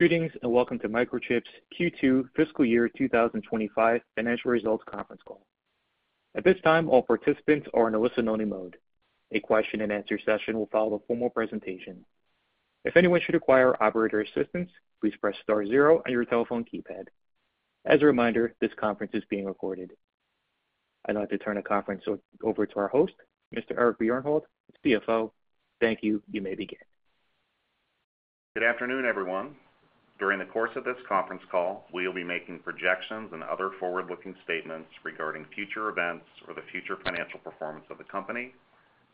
Greetings and welcome to Microchip's Q2 Fiscal Year 2025 Financial Results Conference Call. At this time, all participants are in a listen-only mode. A question-and-answer session will follow the formal presentation. If anyone should require operator assistance, please press star zero on your telephone keypad. As a reminder, this conference is being recorded. I'd like to turn the conference over to our host, Mr. Eric Bjornholt, CFO. Thank you. You may begin. Good afternoon, everyone. During the course of this conference call, we will be making projections and other forward-looking statements regarding future events or the future financial performance of the company.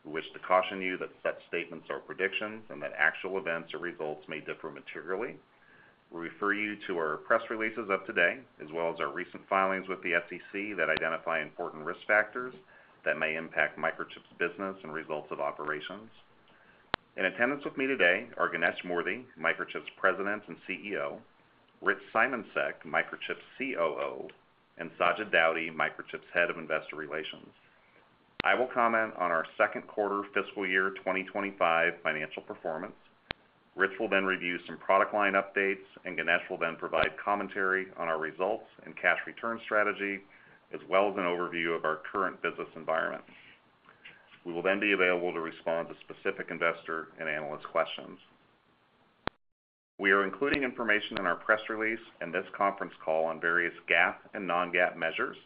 We wish to caution you that such statements are predictions and that actual events or results may differ materially. We refer you to our press releases of today, as well as our recent filings with the SEC that identify important risk factors that may impact Microchip's business and results of operations. In attendance with me today are Ganesh Moorthy, Microchip's President and CEO, Rich Simoncic, Microchip's COO, and Sajid Daudi, Microchip's Head of Investor Relations. I will comment on our second quarter fiscal year 2025 financial performance. Rich will then review some product line updates, and Ganesh will then provide commentary on our results and cash return strategy, as well as an overview of our current business environment. We will then be available to respond to specific investor and analyst questions. We are including information in our press release and this conference call on various GAAP and non-GAAP measures.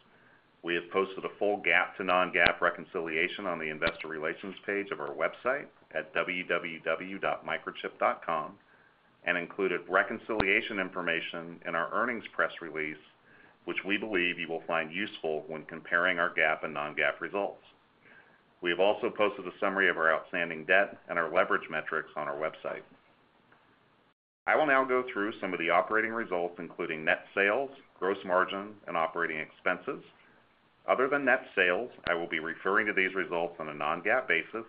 We have posted a full GAAP to non-GAAP reconciliation on the Investor Relations page of our website at www.microchip.com and included reconciliation information in our earnings press release, which we believe you will find useful when comparing our GAAP and non-GAAP results. We have also posted a summary of our outstanding debt and our leverage metrics on our website. I will now go through some of the operating results, including net sales, gross margin, and operating expenses. Other than net sales, I will be referring to these results on a non-GAAP basis,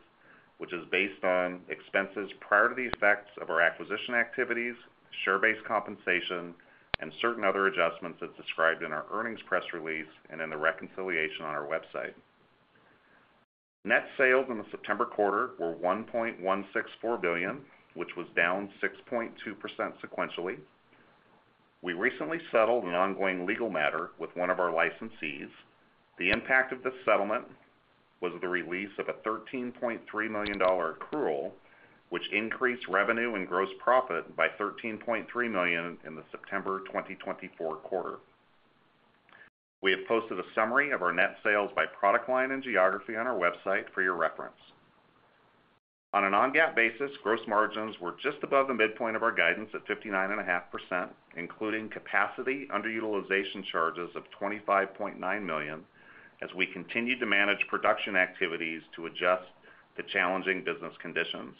which is based on expenses prior to the effects of our acquisition activities, share-based compensation, and certain other adjustments as described in our earnings press release and in the reconciliation on our website. Net sales in the September quarter were $1.164 billion, which was down 6.2% sequentially. We recently settled an ongoing legal matter with one of our licensees. The impact of this settlement was the release of a $13.3 million accrual, which increased revenue and gross profit by $13.3 million in the September 2024 quarter. We have posted a summary of our net sales by product line and geography on our website for your reference. On a non-GAAP basis, gross margins were just above the midpoint of our guidance at 59.5%, including capacity underutilization charges of $25.9 million, as we continue to manage production activities to adjust to challenging business conditions.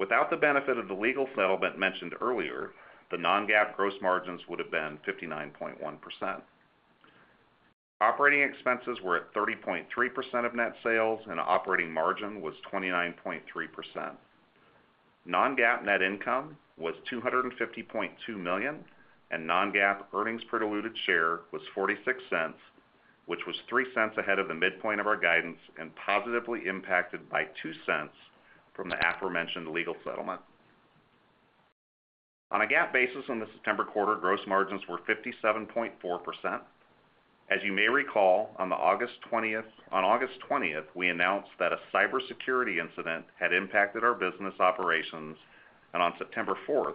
Without the benefit of the legal settlement mentioned earlier, the non-GAAP gross margins would have been 59.1%. Operating expenses were at 30.3% of net sales, and operating margin was 29.3%. non-GAAP net income was $250.2 million, and non-GAAP earnings per diluted share was $0.46, which was $0.03 ahead of the midpoint of our guidance and positively impacted by $0.02 from the aforementioned legal settlement. On a GAAP basis in the September quarter, gross margins were 57.4%. As you may recall, on August 20th, we announced that a cybersecurity incident had impacted our business operations, and on September 4th,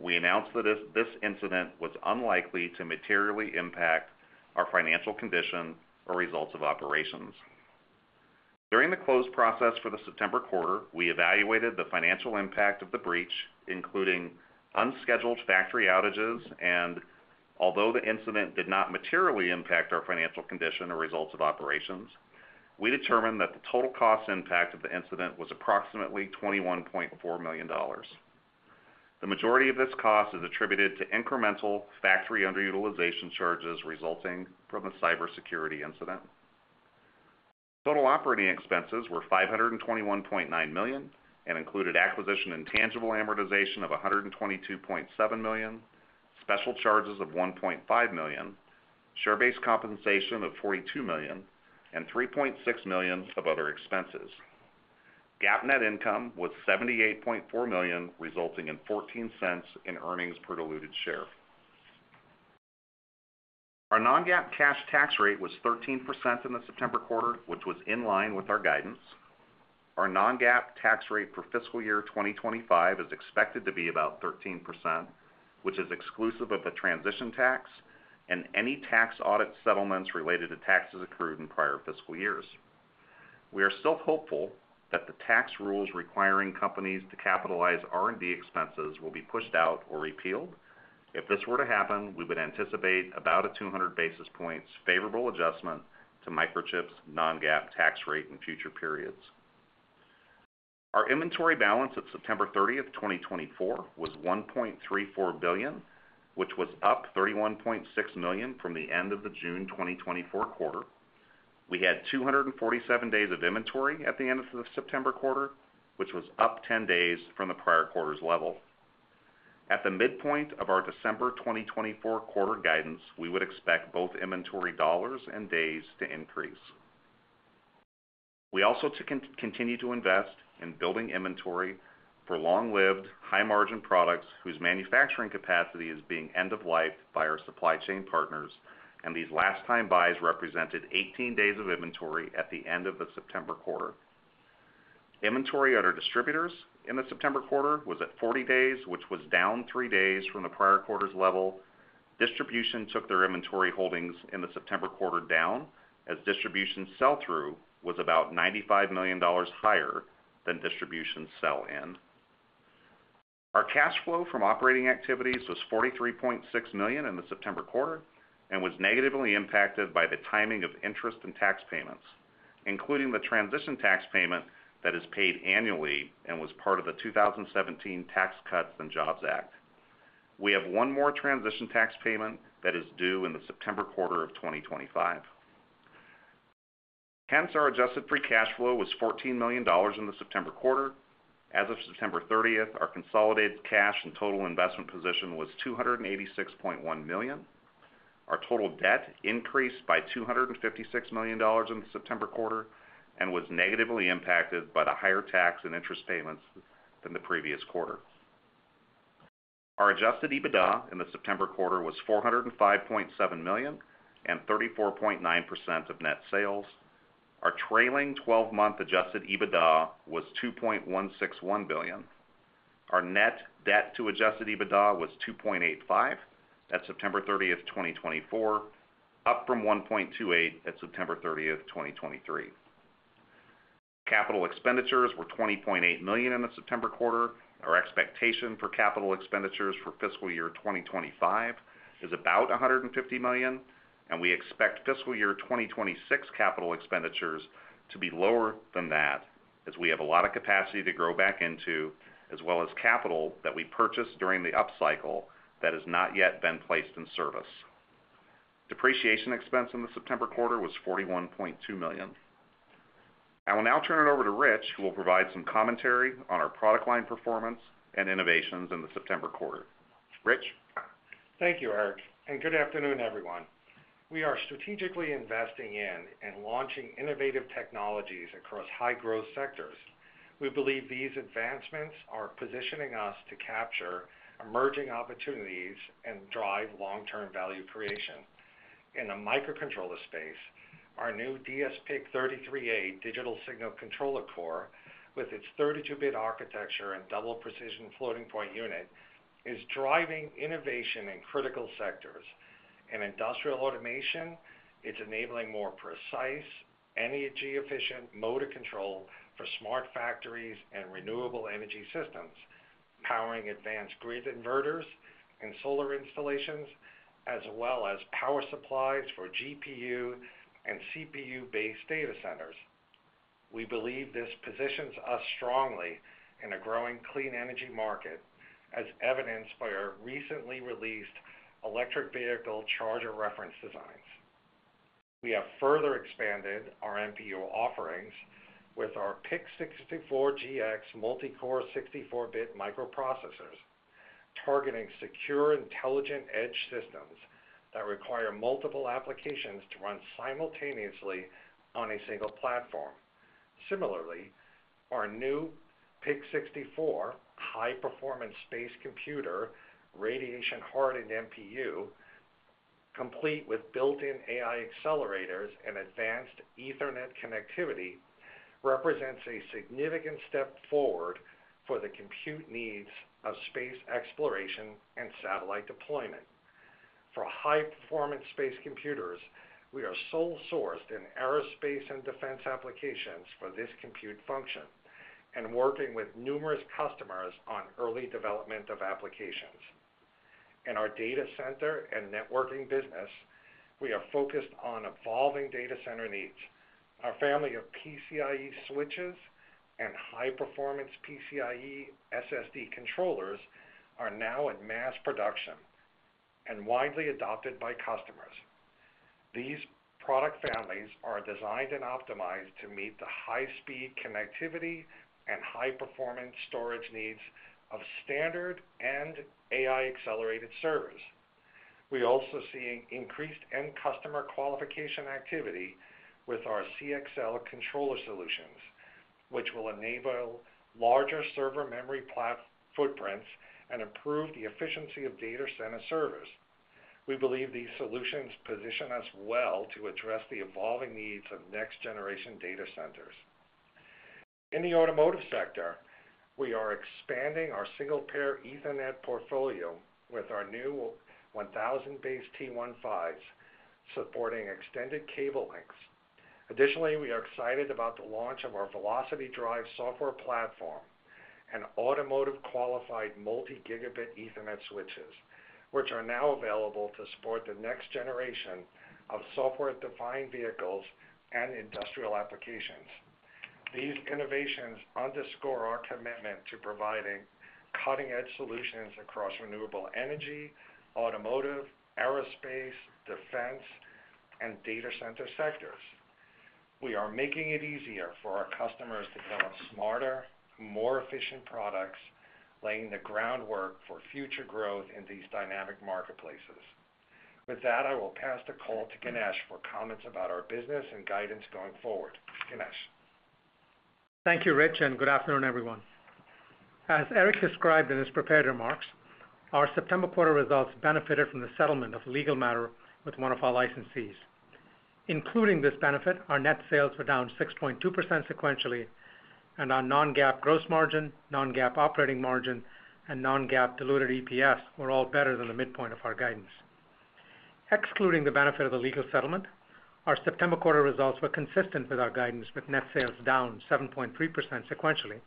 we announced that this incident was unlikely to materially impact our financial condition or results of operations. During the close process for the September quarter, we evaluated the financial impact of the breach, including unscheduled factory outages, and although the incident did not materially impact our financial condition or results of operations, we determined that the total cost impact of the incident was approximately $21.4 million. The majority of this cost is attributed to incremental factory underutilization charges resulting from the cybersecurity incident. Total operating expenses were $521.9 million and included acquisition and tangible amortization of $122.7 million, special charges of $1.5 million, share-based compensation of $42 million, and $3.6 million of other expenses. GAAP net income was $78.4 million, resulting in $0.14 in earnings per diluted share. Our non-GAAP cash tax rate was 13% in the September quarter, which was in line with our guidance. Our non-GAAP tax rate for fiscal year 2025 is expected to be about 13%, which is exclusive of the transition tax and any tax audit settlements related to taxes accrued in prior fiscal years. We are still hopeful that the tax rules requiring companies to capitalize R&D expenses will be pushed out or repealed. If this were to happen, we would anticipate about a 200 basis points favorable adjustment to Microchip's non-GAAP tax rate in future periods. Our inventory balance at September 30th, 2024, was $1.34 billion, which was up $31.6 million from the end of the June 2024 quarter. We had 247 days of inventory at the end of the September quarter, which was up 10 days from the prior quarter's level. At the midpoint of our December 2024 quarter guidance, we would expect both inventory dollars and days to increase. We also continue to invest in building inventory for long-lived, high-margin products whose manufacturing capacity is being end-of-life by our supply chain partners, and these last-time buys represented 18 days of inventory at the end of the September quarter. Inventory at our distributors in the September quarter was at 40 days, which was down 3 days from the prior quarter's level. Distribution took their inventory holdings in the September quarter down, as distribution sell-through was about $95 million higher than distribution sell-in. Our cash flow from operating activities was $43.6 million in the September quarter and was negatively impacted by the timing of interest and tax payments, including the transition tax payment that is paid annually and was part of the 2017 Tax Cuts and Jobs Act. We have one more transition tax payment that is due in the September quarter of 2025. Hence, our adjusted free cash flow was $14 million in the September quarter. As of September 30th, our consolidated cash and total investment position was $286.1 million. Our total debt increased by $256 million in the September quarter and was negatively impacted by the higher tax and interest payments than the previous quarter. Our Adjusted EBITDA in the September quarter was $405.7 million and 34.9% of net sales. Our trailing 12-month Adjusted EBITDA was $2.161 billion. Our net debt to Adjusted EBITDA was $2.85 at September 30th, 2024, up from $1.28 at September 30th, 2023. Capital expenditures were $20.8 million in the September quarter. Our expectation for capital expenditures for fiscal year 2025 is about $150 million, and we expect fiscal year 2026 capital expenditures to be lower than that, as we have a lot of capacity to grow back into, as well as capital that we purchased during the upcycle that has not yet been placed in service. Depreciation expense in the September quarter was $41.2 million. I will now turn it over to Rich, who will provide some commentary on our product line performance and innovations in the September quarter. Rich. Thank you, Eric. Good afternoon, everyone. We are strategically investing in and launching innovative technologies across high-growth sectors. We believe these advancements are positioning us to capture emerging opportunities and drive long-term value creation. In the microcontroller space, our new dsPIC33A digital signal controller core, with its 32-bit architecture and double precision floating point unit, is driving innovation in critical sectors. In industrial automation, it's enabling more precise, energy-efficient motor control for smart factories and renewable energy systems, powering advanced grid inverters and solar installations, as well as power supplies for GPU and CPU-based data centers. We believe this positions us strongly in a growing clean energy market, as evidenced by our recently released electric vehicle charger reference designs. We have further expanded our MPU offerings with our PIC64GX multi-core 64-bit microprocessors, targeting secure, intelligent edge systems that require multiple applications to run simultaneously on a single platform. Similarly, our new PIC64-HPSC high-performance space computer radiation-hardened MPU, complete with built-in AI accelerators and advanced Ethernet connectivity, represents a significant step forward for the compute needs of space exploration and satellite deployment. For high-performance space computers, we are sole-sourced in aerospace and defense applications for this compute function, and working with numerous customers on early development of applications. In our data center and networking business, we are focused on evolving data center needs. Our family of PCIe switches and high-performance PCIe SSD controllers are now in mass production and widely adopted by customers. These product families are designed and optimized to meet the high-speed connectivity and high-performance storage needs of standard and AI-accelerated servers. We are also seeing increased end-customer qualification activity with our CXL controller solutions, which will enable larger server memory footprints and improve the efficiency of data center servers. We believe these solutions position us well to address the evolving needs of next-generation data centers. In the automotive sector, we are expanding our single-pair Ethernet portfolio with our new 1000BASE-T1S, supporting extended cable lengths. Additionally, we are excited about the launch of our VelocityDRIVE software platform and automotive-qualified multi-gigabit Ethernet switches, which are now available to support the next generation of software-defined vehicles and industrial applications. These innovations underscore our commitment to providing cutting-edge solutions across renewable energy, automotive, aerospace, defense, and data center sectors. We are making it easier for our customers to develop smarter, more efficient products, laying the groundwork for future growth in these dynamic marketplaces. With that, I will pass the call to Ganesh for comments about our business and guidance going forward. Ganesh. Thank you, Rich, and good afternoon, everyone. As Eric described in his prepared remarks, our September quarter results benefited from the settlement of legal matter with one of our licensees. Including this benefit, our net sales were down 6.2% sequentially, and our non-GAAP gross margin, non-GAAP operating margin, and non-GAAP diluted EPS were all better than the midpoint of our guidance. Excluding the benefit of the legal settlement, our September quarter results were consistent with our guidance, with net sales down 7.3% sequentially,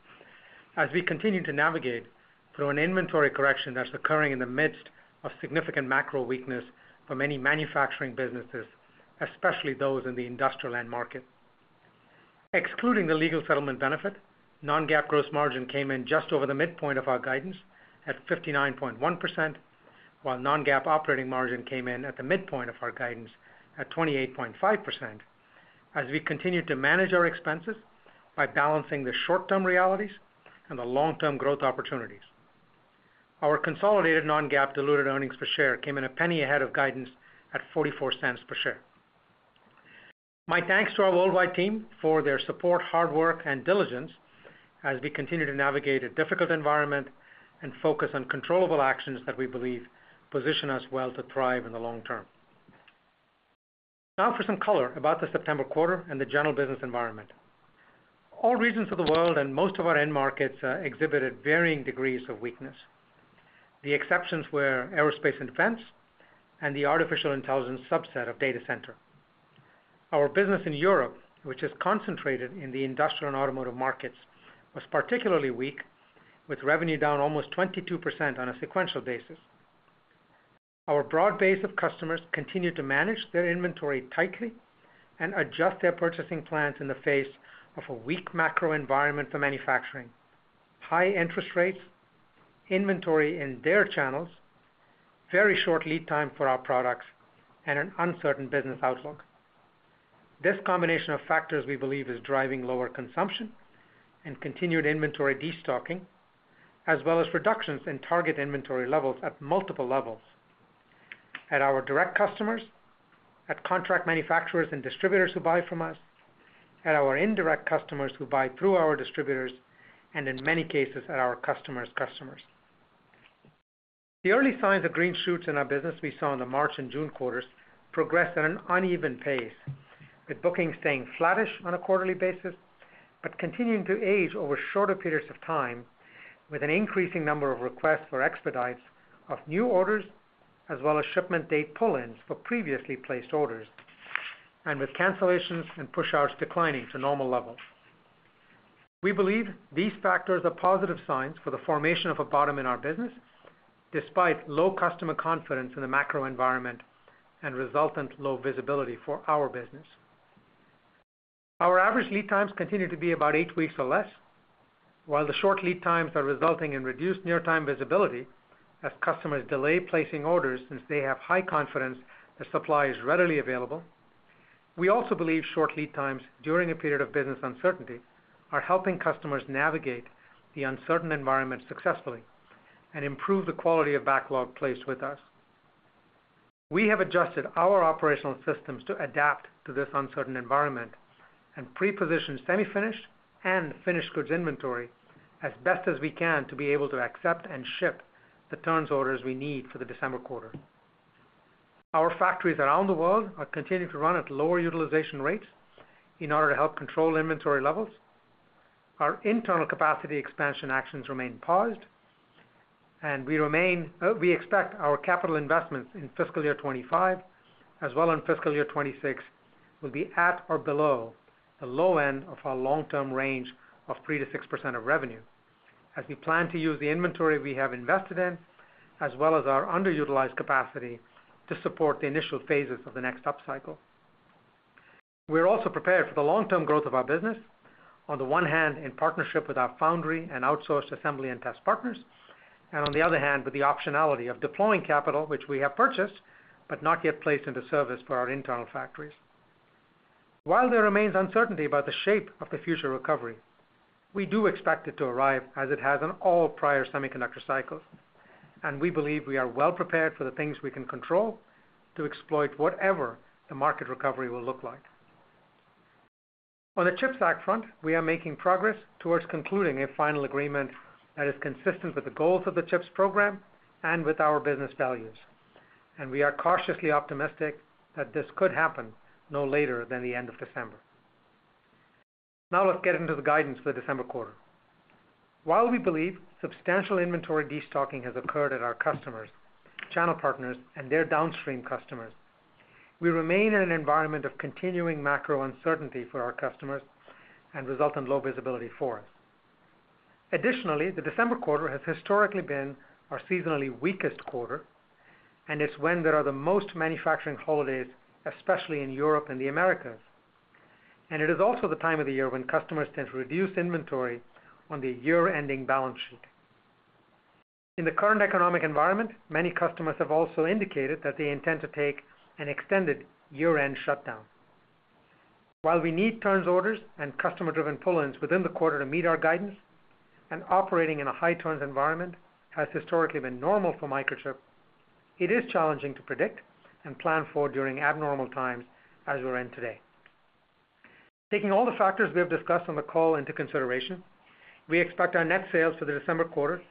as we continue to navigate through an inventory correction that's occurring in the midst of significant macro weakness for many manufacturing businesses, especially those in the industrial end market. Excluding the legal settlement benefit, non-GAAP gross margin came in just over the midpoint of our guidance at 59.1%, while non-GAAP operating margin came in at the midpoint of our guidance at 28.5%, as we continue to manage our expenses by balancing the short-term realities and the long-term growth opportunities. Our consolidated non-GAAP diluted earnings per share came in a penny ahead of guidance at $0.44 per share. My thanks to our worldwide team for their support, hard work, and diligence as we continue to navigate a difficult environment and focus on controllable actions that we believe position us well to thrive in the long term. Now for some color about the September quarter and the general business environment. All regions of the world and most of our end markets exhibited varying degrees of weakness. The exceptions were aerospace and defense and the artificial intelligence subset of data center. Our business in Europe, which is concentrated in the industrial and automotive markets, was particularly weak, with revenue down almost 22% on a sequential basis. Our broad base of customers continued to manage their inventory tightly and adjust their purchasing plans in the face of a weak macro environment for manufacturing, high interest rates, inventory in their channels, very short lead time for our products, and an uncertain business outlook. This combination of factors we believe is driving lower consumption and continued inventory destocking, as well as reductions in target inventory levels at multiple levels: at our direct customers, at contract manufacturers and distributors who buy from us, at our indirect customers who buy through our distributors, and in many cases, at our customer's customers. The early signs of green shoots in our business we saw in the March and June quarters progressed at an uneven pace, with bookings staying flattish on a quarterly basis but continuing to age over shorter periods of time, with an increasing number of requests for expedites of new orders, as well as shipment date pull-ins for previously placed orders, and with cancellations and push-outs declining to normal levels. We believe these factors are positive signs for the formation of a bottom in our business, despite low customer confidence in the macro environment and resultant low visibility for our business. Our average lead times continue to be about eight weeks or less, while the short lead times are resulting in reduced near-time visibility as customers delay placing orders since they have high confidence the supply is readily available. We also believe short lead times during a period of business uncertainty are helping customers navigate the uncertain environment successfully and improve the quality of backlog placed with us. We have adjusted our operational systems to adapt to this uncertain environment and pre-positioned semi-finished and finished goods inventory as best as we can to be able to accept and ship the turns orders we need for the December quarter. Our factories around the world are continuing to run at lower utilization rates in order to help control inventory levels. Our internal capacity expansion actions remain paused, and we expect our capital investments in fiscal year 2025, as well as in fiscal year 2026, will be at or below the low end of our long-term range of 3%-6% of revenue, as we plan to use the inventory we have invested in, as well as our underutilized capacity to support the initial phases of the next upcycle. We are also prepared for the long-term growth of our business, on the one hand, in partnership with our foundry and outsourced assembly and test partners, and on the other hand, with the optionality of deploying capital, which we have purchased but not yet placed into service for our internal factories. While there remains uncertainty about the shape of the future recovery, we do expect it to arrive as it has in all prior semiconductor cycles, and we believe we are well prepared for the things we can control to exploit whatever the market recovery will look like. On the CHIPS Act front, we are making progress towards concluding a final agreement that is consistent with the goals of the CHIPS program and with our business values, and we are cautiously optimistic that this could happen no later than the end of December. Now let's get into the guidance for the December quarter. While we believe substantial inventory destocking has occurred at our customers, channel partners, and their downstream customers, we remain in an environment of continuing macro uncertainty for our customers and resultant low visibility for us. Additionally, the December quarter has historically been our seasonally weakest quarter, and it's when there are the most manufacturing holidays, especially in Europe and the Americas. And it is also the time of the year when customers tend to reduce inventory on the year-ending balance sheet. In the current economic environment, many customers have also indicated that they intend to take an extended year-end shutdown. While we need turns orders and customer-driven pull-ins within the quarter to meet our guidance, and operating in a high turns environment has historically been normal for Microchip, it is challenging to predict and plan for during abnormal times as we're in today. Taking all the factors we have discussed on the call into consideration, we expect our net sales for the December quarter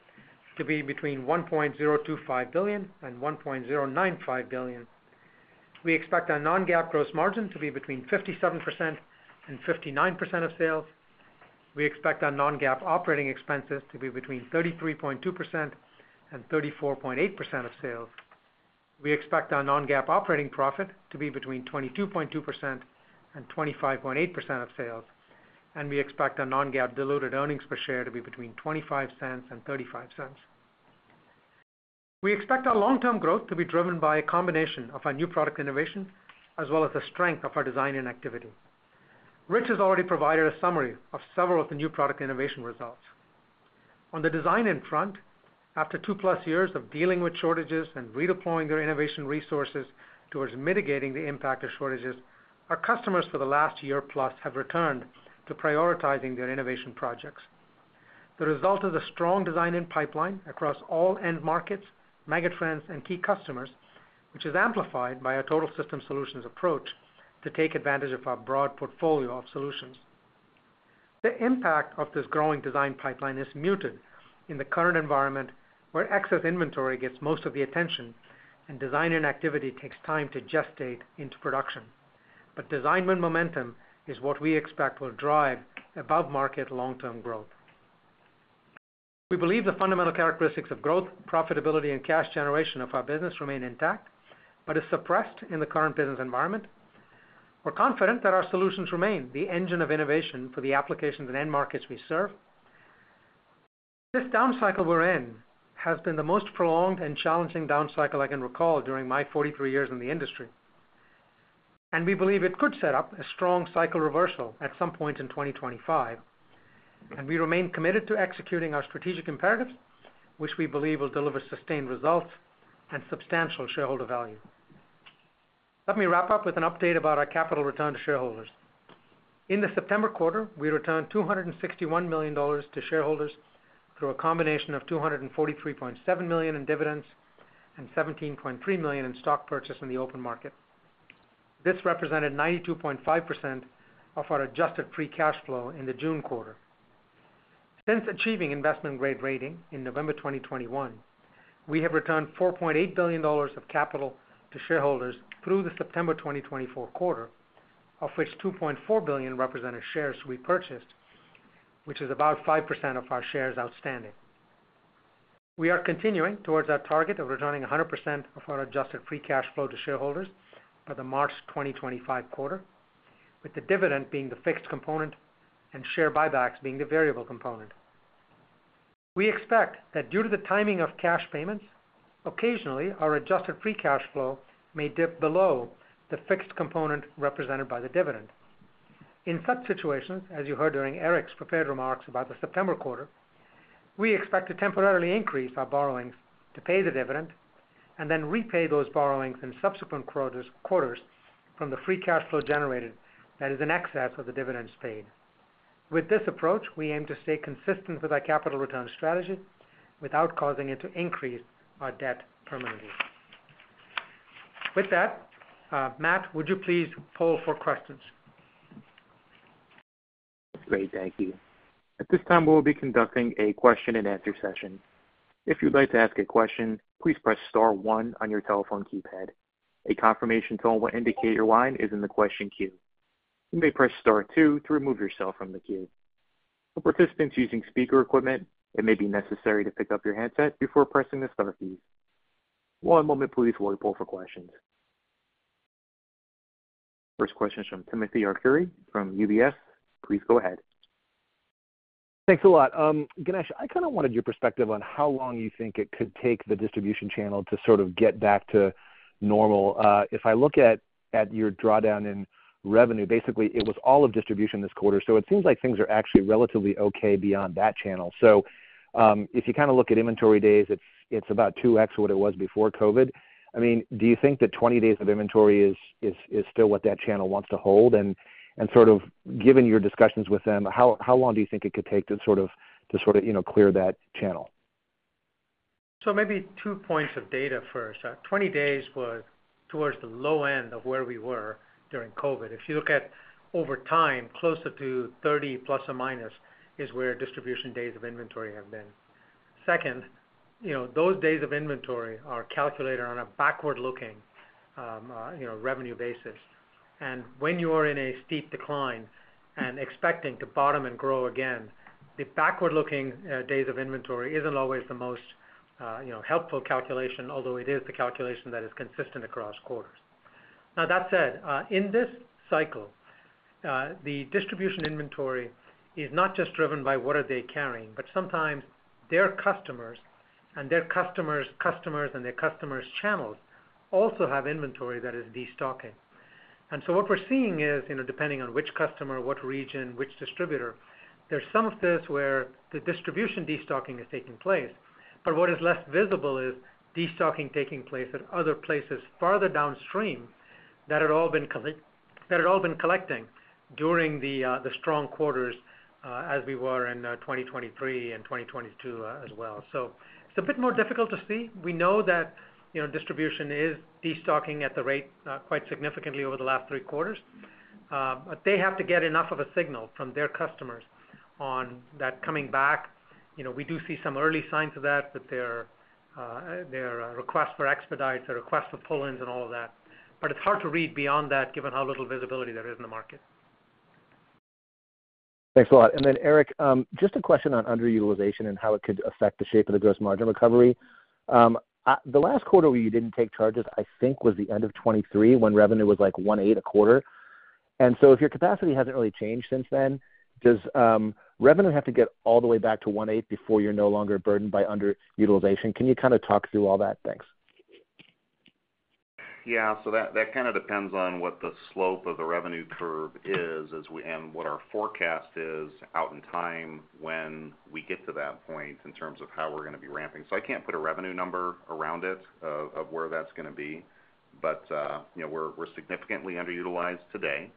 to be between $1.025 billion and $1.095 billion. We expect our non-GAAP gross margin to be between 57% and 59% of sales. We expect our non-GAAP operating expenses to be between 33.2% and 34.8% of sales. We expect our non-GAAP operating profit to be between 22.2% and 25.8% of sales, and we expect our non-GAAP diluted earnings per share to be between $0.25 and $0.35. We expect our long-term growth to be driven by a combination of our new product innovation, as well as the strength of our design-win activity. Rich has already provided a summary of several of the new product innovation results. On the design-win front, after two-plus years of dealing with shortages and redeploying their innovation resources towards mitigating the impact of shortages, our customers for the last year-plus have returned to prioritizing their innovation projects. The result is a strong design-in pipeline across all end markets, megatrends, and key customers, which is amplified by our total system solutions approach to take advantage of our broad portfolio of solutions. The impact of this growing design pipeline is muted in the current environment where excess inventory gets most of the attention and design-in activity takes time to gestate into production, but design-in momentum is what we expect will drive above-market long-term growth. We believe the fundamental characteristics of growth, profitability, and cash generation of our business remain intact but are suppressed in the current business environment. We're confident that our solutions remain the engine of innovation for the applications and end markets we serve. This down cycle we're in has been the most prolonged and challenging down cycle I can recall during my 43 years in the industry, and we believe it could set up a strong cycle reversal at some point in 2025, and we remain committed to executing our strategic imperatives, which we believe will deliver sustained results and substantial shareholder value. Let me wrap up with an update about our capital return to shareholders. In the September quarter, we returned $261 million to shareholders through a combination of $243.7 million in dividends and $17.3 million in stock purchase in the open market. This represented 92.5% of our adjusted free cash flow in the June quarter. Since achieving investment-grade rating in November 2021, we have returned $4.8 billion of capital to shareholders through the September 2024 quarter, of which $2.4 billion represented shares we purchased, which is about five% of our shares outstanding. We are continuing towards our target of returning 100% of our adjusted free cash flow to shareholders by the March 2025 quarter, with the dividend being the fixed component and share buybacks being the variable component. We expect that due to the timing of cash payments, occasionally our adjusted free cash flow may dip below the fixed component represented by the dividend. In such situations, as you heard during Eric's prepared remarks about the September quarter, we expect to temporarily increase our borrowings to pay the dividend and then repay those borrowings in subsequent quarters from the free cash flow generated that is in excess of the dividends paid. With this approach, we aim to stay consistent with our capital return strategy without causing it to increase our debt permanently. With that, Matt, would you please poll for questions? Great. Thank you. At this time, we'll be conducting a question-and-answer session. If you'd like to ask a question, please press star one on your telephone keypad. A confirmation tone will indicate your line is in the question queue. You may press star two to remove yourself from the queue. For participants using speaker equipment, it may be necessary to pick up your handset before pressing the star keys. One moment, please, while we poll for questions. First question is from Timothy Arcuri from UBS. Please go ahead. Thanks a lot. Ganesh, I kind of wanted your perspective on how long you think it could take the distribution channel to sort of get back to normal. If I look at your drawdown in revenue, basically, it was all of distribution this quarter, so it seems like things are actually relatively okay beyond that channel. So if you kind of look at inventory days, it's about 2X what it was before COVID. I mean, do you think that 20 days of inventory is still what that channel wants to hold? And sort of given your discussions with them, how long do you think it could take to sort of clear that channel? Maybe two points of data first. 20 days was towards the low end of where we were during COVID. If you look at over time, closer to 30 plus or minus is where distribution days of inventory have been. Second, those days of inventory are calculated on a backward-looking revenue basis. When you are in a steep decline and expecting to bottom and grow again, the backward-looking days of inventory isn't always the most helpful calculation, although it is the calculation that is consistent across quarters. Now, that said, in this cycle, the distribution inventory is not just driven by what are they carrying, but sometimes their customers and their customers' customers and their customers' channels also have inventory that is destocking. What we're seeing is, depending on which customer, what region, which distributor, there's some of this where the distribution destocking is taking place, but what is less visible is destocking taking place at other places farther downstream that had all been collecting during the strong quarters as we were in 2023 and 2022 as well. It's a bit more difficult to see. We know that distribution is destocking at the rate quite significantly over the last three quarters, but they have to get enough of a signal from their customers on that coming back. We do see some early signs of that with their requests for expedites, their requests for pull-ins, and all of that, but it's hard to read beyond that given how little visibility there is in the market. Thanks a lot. And then, Eric, just a question on underutilization and how it could affect the shape of the gross margin recovery. The last quarter where you didn't take charges, I think, was the end of 2023 when revenue was like one-eighth a quarter. And so if your capacity hasn't really changed since then, does revenue have to get all the way back to one-eighth before you're no longer burdened by underutilization? Can you kind of talk through all that? Thanks. Yeah. So that kind of depends on what the slope of the revenue curve is and what our forecast is out in time when we get to that point in terms of how we're going to be ramping. So I can't put a revenue number around it of where that's going to be, but we're significantly underutilized today.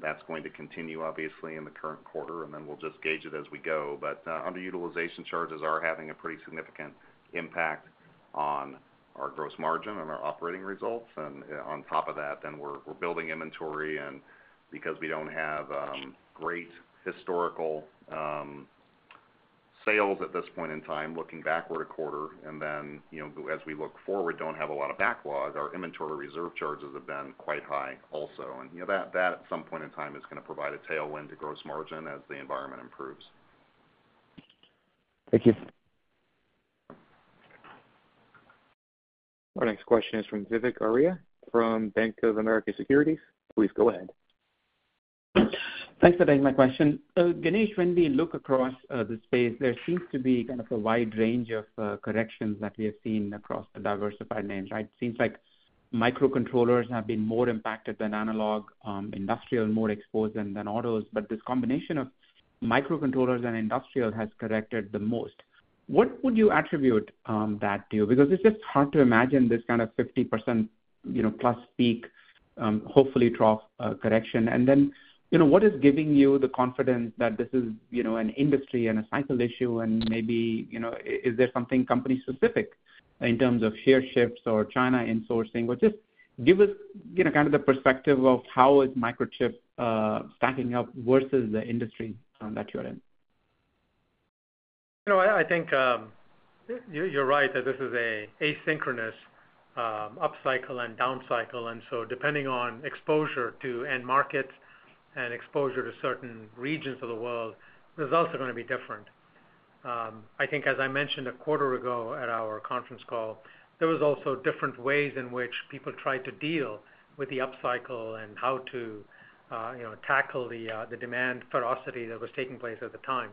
That's going to continue, obviously, in the current quarter, and then we'll just gauge it as we go. But underutilization charges are having a pretty significant impact on our gross margin and our operating results. And on top of that, then we're building inventory because we don't have great historical sales at this point in time looking backward a quarter. And then as we look forward, don't have a lot of backlog, our inventory reserve charges have been quite high also. That at some point in time is going to provide a tailwind to gross margin as the environment improves. Thank you. Our next question is from Vivek Arya from Bank of America Securities. Please go ahead. Thanks for taking my question. Ganesh, when we look across the space, there seems to be kind of a wide range of corrections that we have seen across the diversified names, right? It seems like microcontrollers have been more impacted than analog, industrial more exposed than autos, but this combination of microcontrollers and industrial has corrected the most. What would you attribute that to? Because it's just hard to imagine this kind of 50% plus peak, hopefully trough correction. And then what is giving you the confidence that this is an industry and a cycle issue? And maybe is there something company-specific in terms of share shifts or China insourcing? But just give us kind of the perspective of how is Microchip stacking up versus the industry that you're in? I think you're right that this is an asynchronous up cycle and down cycle. And so depending on exposure to end markets and exposure to certain regions of the world, results are going to be different. I think, as I mentioned a quarter ago at our conference call, there were also different ways in which people tried to deal with the up cycle and how to tackle the demand ferocity that was taking place at the time.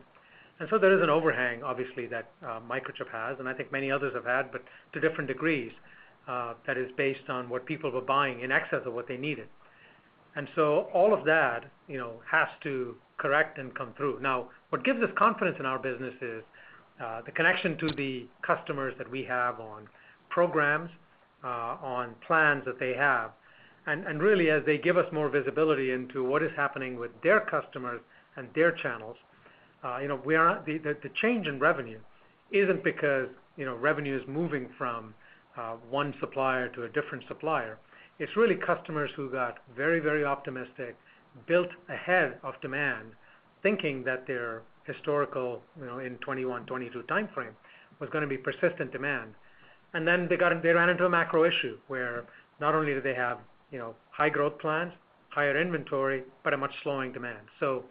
And so there is an overhang, obviously, that Microchip has, and I think many others have had, but to different degrees that is based on what people were buying in excess of what they needed. And so all of that has to correct and come through. Now, what gives us confidence in our business is the connection to the customers that we have on programs, on plans that they have. And really, as they give us more visibility into what is happening with their customers and their channels, the change in revenue isn't because revenue is moving from one supplier to a different supplier. It's really customers who got very, very optimistic, built ahead of demand, thinking that their historical in 2021, 2022 timeframe was going to be persistent demand. And then they ran into a macro issue where not only did they have high growth plans, higher inventory, but a much slowing demand. So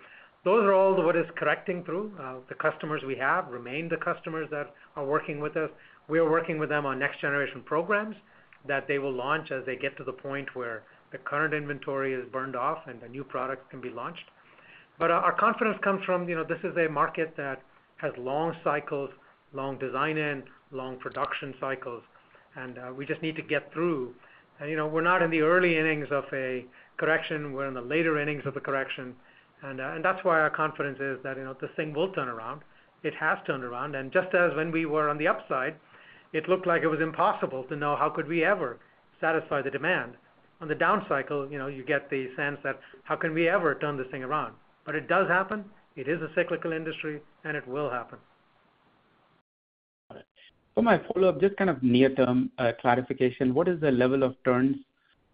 those are all what is correcting through. The customers we have remain the customers that are working with us. We are working with them on next-generation programs that they will launch as they get to the point where the current inventory is burned off and the new products can be launched. But our confidence comes from. This is a market that has long cycles, long design-in, long production cycles, and we just need to get through. And we're not in the early innings of a correction. We're in the later innings of a correction. And that's why our confidence is that this thing will turn around. It has turned around. And just as when we were on the upside, it looked like it was impossible to know how could we ever satisfy the demand. On the down cycle, you get the sense that how can we ever turn this thing around? But it does happen. It is a cyclical industry, and it will happen. Got it. For my follow-up, just kind of near-term clarification, what is the level of turns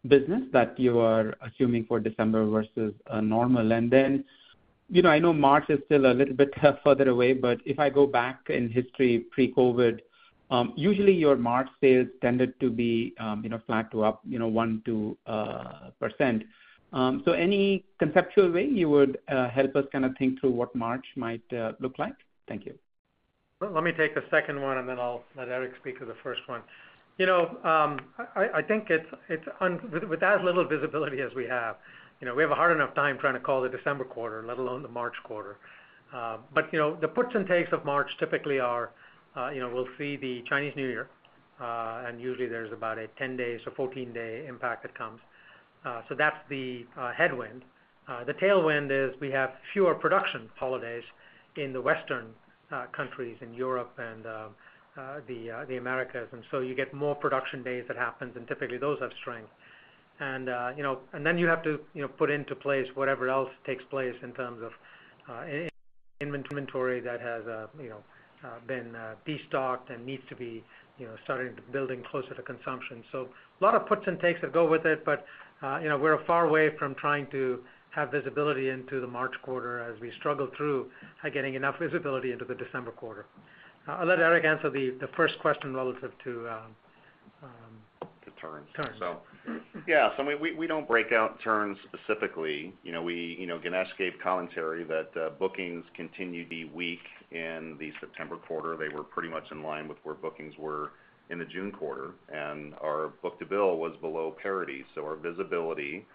business that you are assuming for December versus normal? And then I know March is still a little bit further away, but if I go back in history pre-COVID, usually your March sales tended to be flat to up 1%-2%. So any conceptual way you would help us kind of think through what March might look like? Thank you. Let me take the second one, and then I'll let Eric speak to the first one. I think with as little visibility as we have, we have a hard enough time trying to call the December quarter, let alone the March quarter. But the puts and takes of March typically are we'll see the Chinese New Year, and usually there's about a 10-day to 14-day impact that comes. So that's the headwind. The tailwind is we have fewer production holidays in the Western countries in Europe and the Americas. And so you get more production days that happen, and typically those have strength. And then you have to put into place whatever else takes place in terms of inventory that has been destocked and needs to be starting to build in closer to consumption. A lot of puts and takes that go with it, but we're far away from trying to have visibility into the March quarter as we struggle through getting enough visibility into the December quarter. I'll let Eric answer the first question relative to. The turns. Turns. Yeah. So we don't break out turns specifically. Ganesh gave commentary that bookings continued to be weak in the September quarter. They were pretty much in line with where bookings were in the June quarter, and our book-to-bill was below parity. So our visibility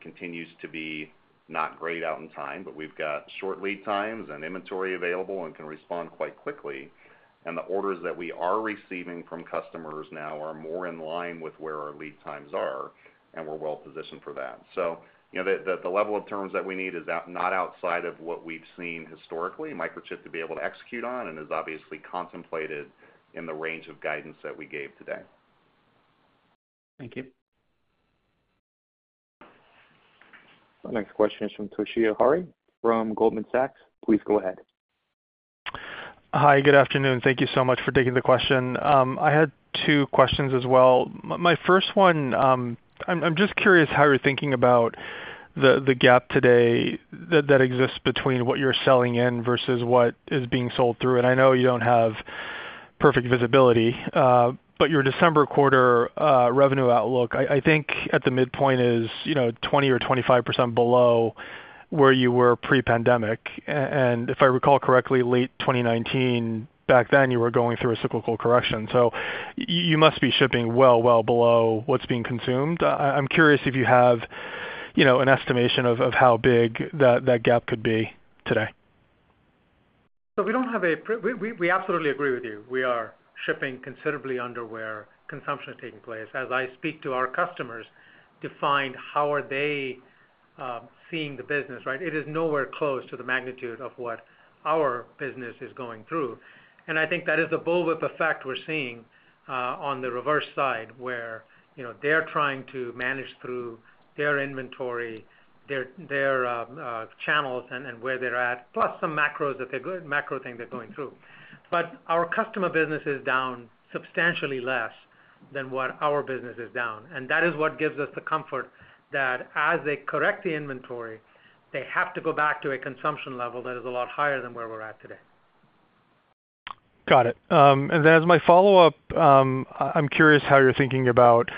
continues to be not great out in time, but we've got short lead times and inventory available and can respond quite quickly. And the orders that we are receiving from customers now are more in line with where our lead times are, and we're well positioned for that. So the level of turns that we need is not outside of what we've seen historically Microchip to be able to execute on and is obviously contemplated in the range of guidance that we gave today. Thank you. Our next question is from Toshiya Hari from Goldman Sachs. Please go ahead. Hi. Good afternoon. Thank you so much for taking the question. I had two questions as well. My first one, I'm just curious how you're thinking about the gap today that exists between what you're selling in versus what is being sold through. And I know you don't have perfect visibility, but your December quarter revenue outlook, I think at the midpoint is 20% or 25% below where you were pre-pandemic. And if I recall correctly, late 2019, back then you were going through a cyclical correction. So you must be shipping well, well below what's being consumed. I'm curious if you have an estimation of how big that gap could be today. So we don't have. We absolutely agree with you. We are shipping considerably under where consumption is taking place. As I speak to our customers to find how are they seeing the business, right? It is nowhere close to the magnitude of what our business is going through. And I think that is the bullwhip effect we're seeing on the reverse side where they're trying to manage through their inventory, their channels, and where they're at, plus some macro thing they're going through. But our customer business is down substantially less than what our business is down. And that is what gives us the comfort that as they correct the inventory, they have to go back to a consumption level that is a lot higher than where we're at today. Got it. And then as my follow-up, I'm curious how you're thinking about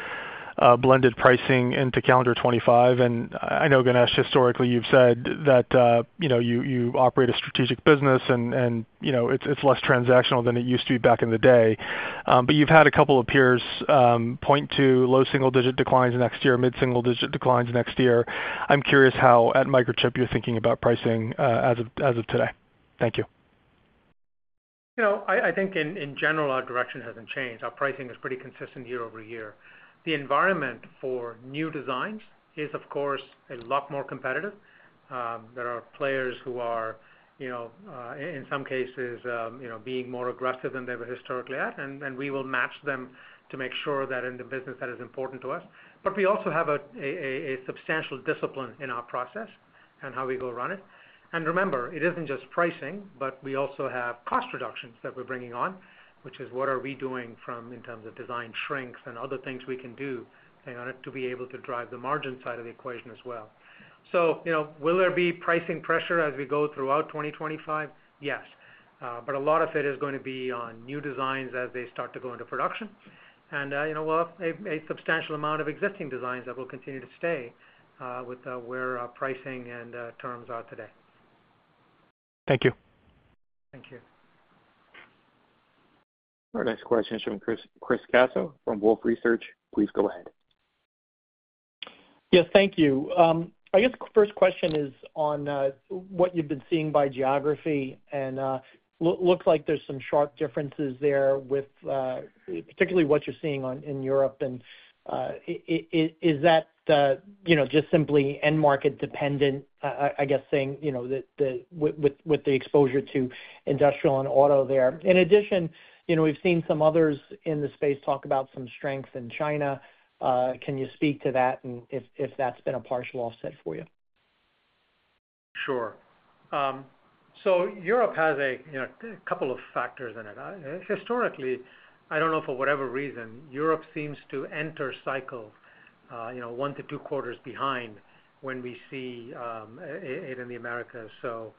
blended pricing into calendar 2025. And I know, Ganesh, historically you've said that you operate a strategic business, and it's less transactional than it used to be back in the day. But you've had a couple of peers point to low single-digit declines next year, mid-single-digit declines next year. I'm curious how at Microchip you're thinking about pricing as of today. Thank you. I think in general, our direction hasn't changed. Our pricing is pretty consistent year over year. The environment for new designs is, of course, a lot more competitive. There are players who are, in some cases, being more aggressive than they were historically at, and we will match them to make sure that in the business that is important to us. But we also have a substantial discipline in our process and how we go run it. And remember, it isn't just pricing, but we also have cost reductions that we're bringing on, which is what are we doing from in terms of design shrinks and other things we can do to be able to drive the margin side of the equation as well. So will there be pricing pressure as we go throughout 2025? Yes. A lot of it is going to be on new designs as they start to go into production and a substantial amount of existing designs that will continue to stay with where pricing and terms are today. Thank you. Thank you. Our next question is from Chris Caso from Wolfe Research. Please go ahead. Yes, thank you. I guess the first question is on what you've been seeing by geography, and it looks like there's some sharp differences there with particularly what you're seeing in Europe, and is that just simply end market dependent, I guess, saying with the exposure to industrial and auto there? In addition, we've seen some others in the space talk about some strength in China. Can you speak to that and if that's been a partial offset for you? Sure. So Europe has a couple of factors in it. Historically, I don't know for whatever reason, Europe seems to enter cycles one to two quarters behind when we see it in the Americas. So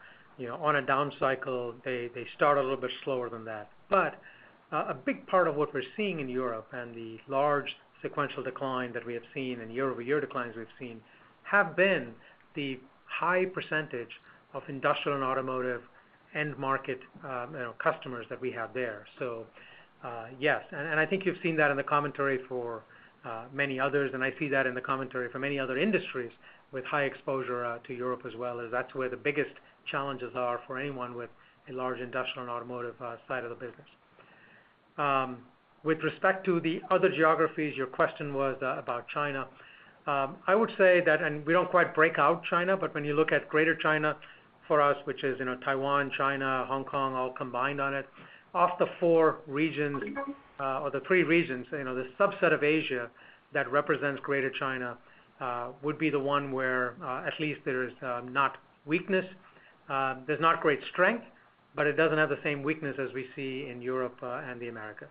on a down cycle, they start a little bit slower than that. But a big part of what we're seeing in Europe and the large sequential decline that we have seen and year-over-year declines we've seen have been the high percentage of industrial and automotive end market customers that we have there. So yes. And I think you've seen that in the commentary for many others, and I see that in the commentary for many other industries with high exposure to Europe as well as that's where the biggest challenges are for anyone with a large industrial and automotive side of the business. With respect to the other geographies, your question was about China. I would say that, and we don't quite break out China, but when you look at Greater China for us, which is Taiwan, China, Hong Kong, all combined in it, of the four regions or the three regions, the subset of Asia that represents Greater China would be the one where at least there is not weakness. There's not great strength, but it doesn't have the same weakness as we see in Europe and the Americas.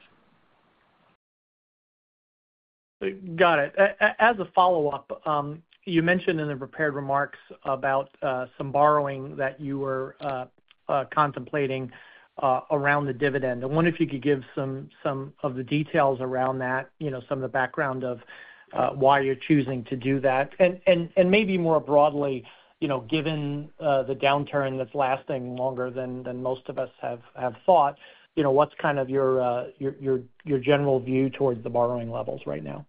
Got it. As a follow-up, you mentioned in the prepared remarks about some borrowing that you were contemplating around the dividend. I wonder if you could give some of the details around that, some of the background of why you're choosing to do that, and maybe more broadly, given the downturn that's lasting longer than most of us have thought, what's kind of your general view towards the borrowing levels right now?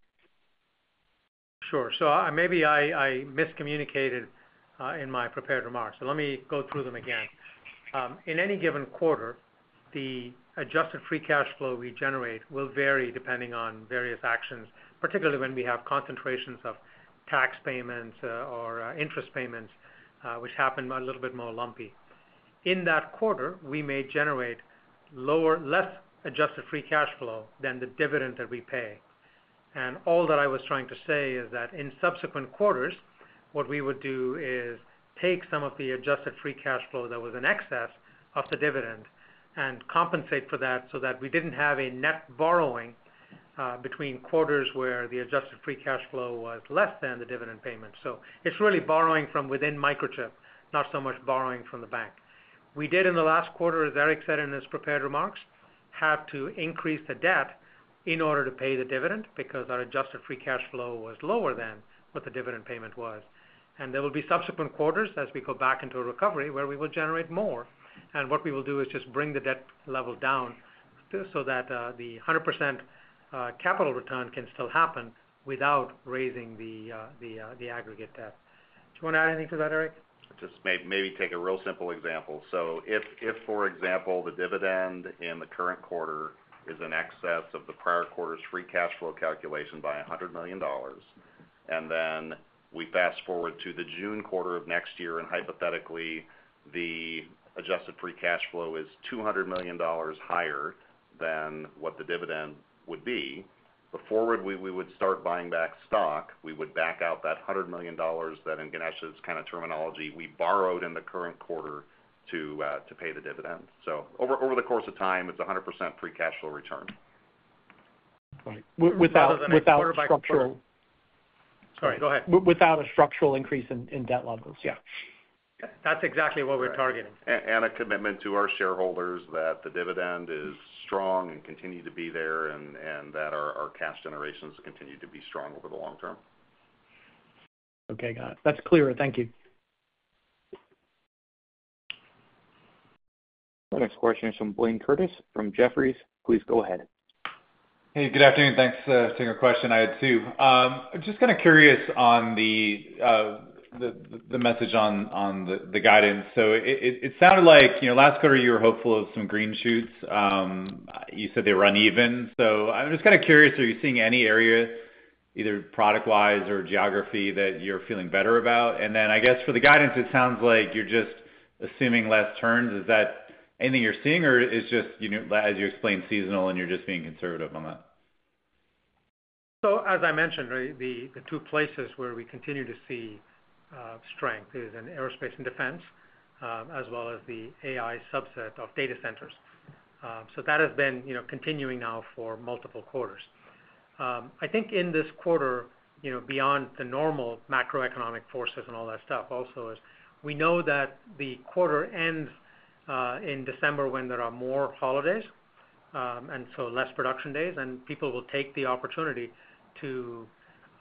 Sure. So maybe I miscommunicated in my prepared remarks. So let me go through them again. In any given quarter, the adjusted free cash flow we generate will vary depending on various actions, particularly when we have concentrations of tax payments or interest payments, which happen a little bit more lumpy. In that quarter, we may generate less adjusted free cash flow than the dividend that we pay. And all that I was trying to say is that in subsequent quarters, what we would do is take some of the adjusted free cash flow that was in excess of the dividend and compensate for that so that we didn't have a net borrowing between quarters where the adjusted free cash flow was less than the dividend payment. So it's really borrowing from within Microchip, not so much borrowing from the bank. We did in the last quarter, as Eric said in his prepared remarks, have to increase the debt in order to pay the dividend because our adjusted free cash flow was lower than what the dividend payment was. And there will be subsequent quarters as we go back into a recovery where we will generate more. And what we will do is just bring the debt level down so that the 100% capital return can still happen without raising the aggregate debt. Do you want to add anything to that, Eric? Just maybe take a real simple example, so if, for example, the dividend in the current quarter is in excess of the prior quarter's free cash flow calculation by $100 million, and then we fast forward to the June quarter of next year and hypothetically the adjusted free cash flow is $200 million higher than what the dividend would be, before we would start buying back stock, we would back out that $100 million that in Ganesh's kind of terminology we borrowed in the current quarter to pay the dividend, so over the course of time, it's 100% free cash flow return. Without a structural. Sorry. Go ahead. Without a structural increase in debt levels. Yeah. That's exactly what we're targeting. A commitment to our shareholders that the dividend is strong and continue to be there and that our cash generations continue to be strong over the long term. Okay. Got it. That's clearer. Thank you. Our next question is from Blayne Curtis from Jefferies. Please go ahead. Hey, good afternoon. Thanks for taking my question. I had two. I'm just kind of curious on the message on the guidance. So it sounded like last quarter you were hopeful of some green shoots. You said they were uneven. So I'm just kind of curious, are you seeing any areas, either product-wise or geography, that you're feeling better about? And then I guess for the guidance, it sounds like you're just assuming less turns. Is that anything you're seeing, or is just, as you explained, seasonal and you're just being conservative on that? So as I mentioned, the two places where we continue to see strength is in aerospace and defense as well as the AI subset of data centers. So that has been continuing now for multiple quarters. I think in this quarter, beyond the normal macroeconomic forces and all that stuff also, is we know that the quarter ends in December when there are more holidays and so less production days, and people will take the opportunity to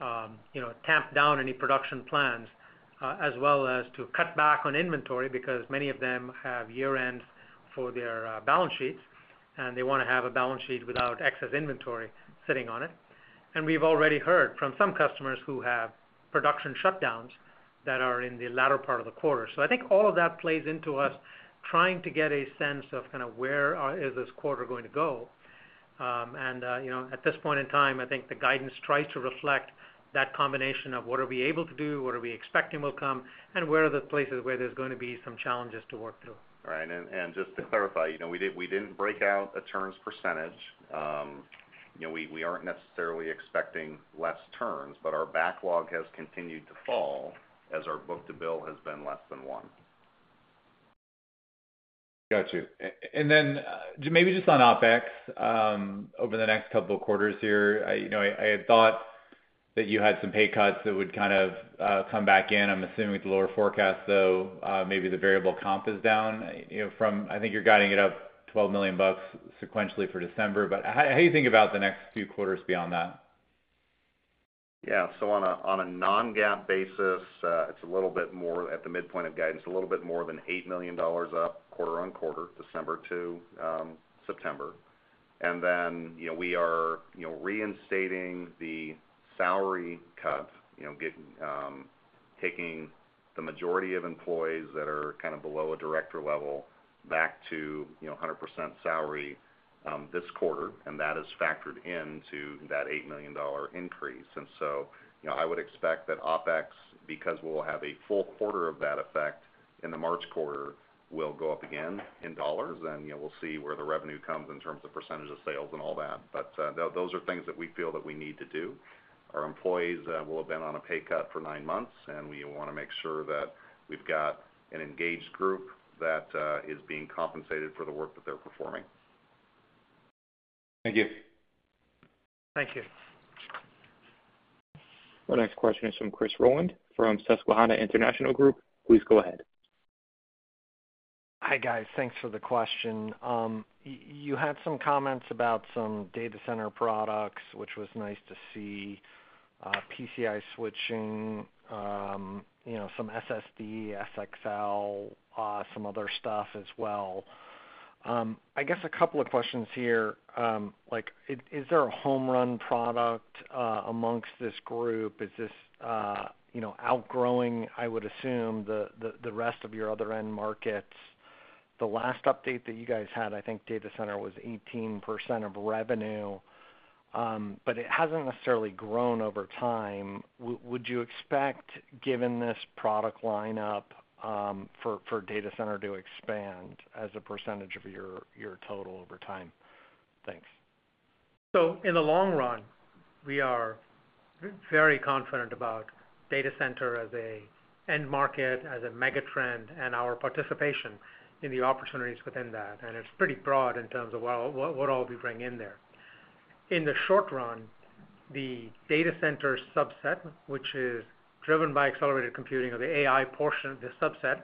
tamp down any production plans as well as to cut back on inventory because many of them have year-ends for their balance sheets, and they want to have a balance sheet without excess inventory sitting on it. And we've already heard from some customers who have production shutdowns that are in the latter part of the quarter. So I think all of that plays into us trying to get a sense of kind of where is this quarter going to go. And at this point in time, I think the guidance tries to reflect that combination of what are we able to do, what are we expecting will come, and where are the places where there's going to be some challenges to work through. Right. And just to clarify, we didn't break out a turns percentage. We aren't necessarily expecting less turns, but our backlog has continued to fall as our book-to-bill has been less than one. Gotcha. And then maybe just on OpEx, over the next couple of quarters here, I had thought that you had some pay cuts that would kind of come back in. I'm assuming with the lower forecast, though, maybe the variable comp is down from I think you're guiding it up $12 million sequentially for December. But how do you think about the next few quarters beyond that? Yeah. So on a non-GAAP basis, it's a little bit more at the midpoint of guidance, a little bit more than $8 million up quarter on quarter, December to September. And then we are reinstating the salary cut, taking the majority of employees that are kind of below a director level back to 100% salary this quarter, and that is factored into that $8 million increase. And so I would expect that OpEx, because we'll have a full quarter of that effect in the March quarter, will go up again in dollars, and we'll see where the revenue comes in terms of percentage of sales and all that. But those are things that we feel that we need to do. Our employees will have been on a pay cut for nine months, and we want to make sure that we've got an engaged group that is being compensated for the work that they're performing. Thank you. Thank you. Our next question is from Chris Rolland from Susquehanna International Group. Please go ahead. Hi guys. Thanks for the question. You had some comments about some data center products, which was nice to see, PCIe switching, some SSD, CXL, some other stuff as well. I guess a couple of questions here. Is there a home run product amongst this group? Is this outgrowing, I would assume, the rest of your other end markets? The last update that you guys had, I think data center was 18% of revenue, but it hasn't necessarily grown over time. Would you expect, given this product lineup for data center to expand as a percentage of your total over time? Thanks. So in the long run, we are very confident about data center as an end market, as a megatrend, and our participation in the opportunities within that. And it's pretty broad in terms of what all we bring in there. In the short run, the data center subset, which is driven by accelerated computing of the AI portion, the subset,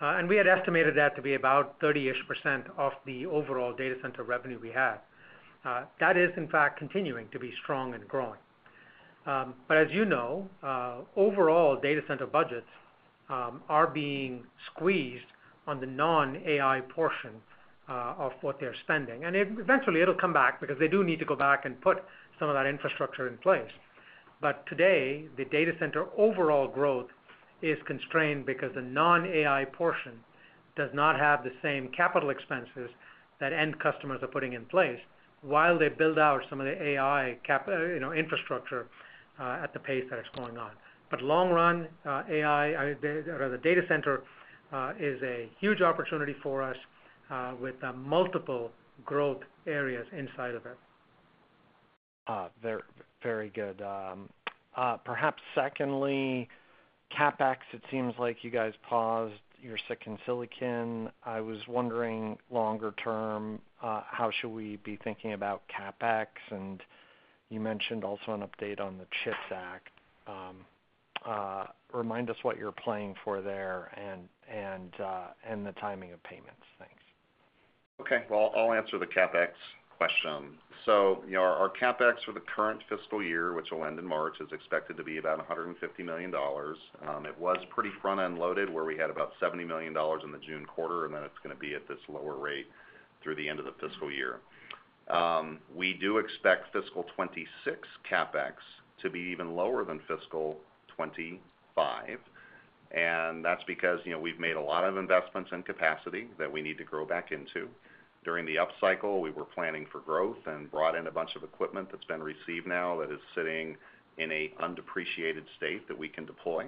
and we had estimated that to be about 30-ish% of the overall data center revenue we had. That is, in fact, continuing to be strong and growing. But as you know, overall data center budgets are being squeezed on the non-AI portion of what they're spending. And eventually, it'll come back because they do need to go back and put some of that infrastructure in place. But today, the data center overall growth is constrained because the non-AI portion does not have the same capital expenses that end customers are putting in place while they build out some of the AI infrastructure at the pace that it's going on. But long run, AI, or the data center, is a huge opportunity for us with multiple growth areas inside of it. Very good. Perhaps secondly, CapEx, it seems like you guys paused your silicon spending. I was wondering longer term, how should we be thinking about CapEx, and you mentioned also an update on the CHIPS Act. Remind us what you're playing for there and the timing of payments. Thanks. Okay. Well, I'll answer the CapEx question. So our CapEx for the current fiscal year, which will end in March, is expected to be about $150 million. It was pretty front-end loaded where we had about $70 million in the June quarter, and then it's going to be at this lower rate through the end of the fiscal year. We do expect fiscal 2026 CapEx to be even lower than fiscal 2025. And that's because we've made a lot of investments in capacity that we need to grow back into. During the up cycle, we were planning for growth and brought in a bunch of equipment that's been received now that is sitting in an undepreciated state that we can deploy.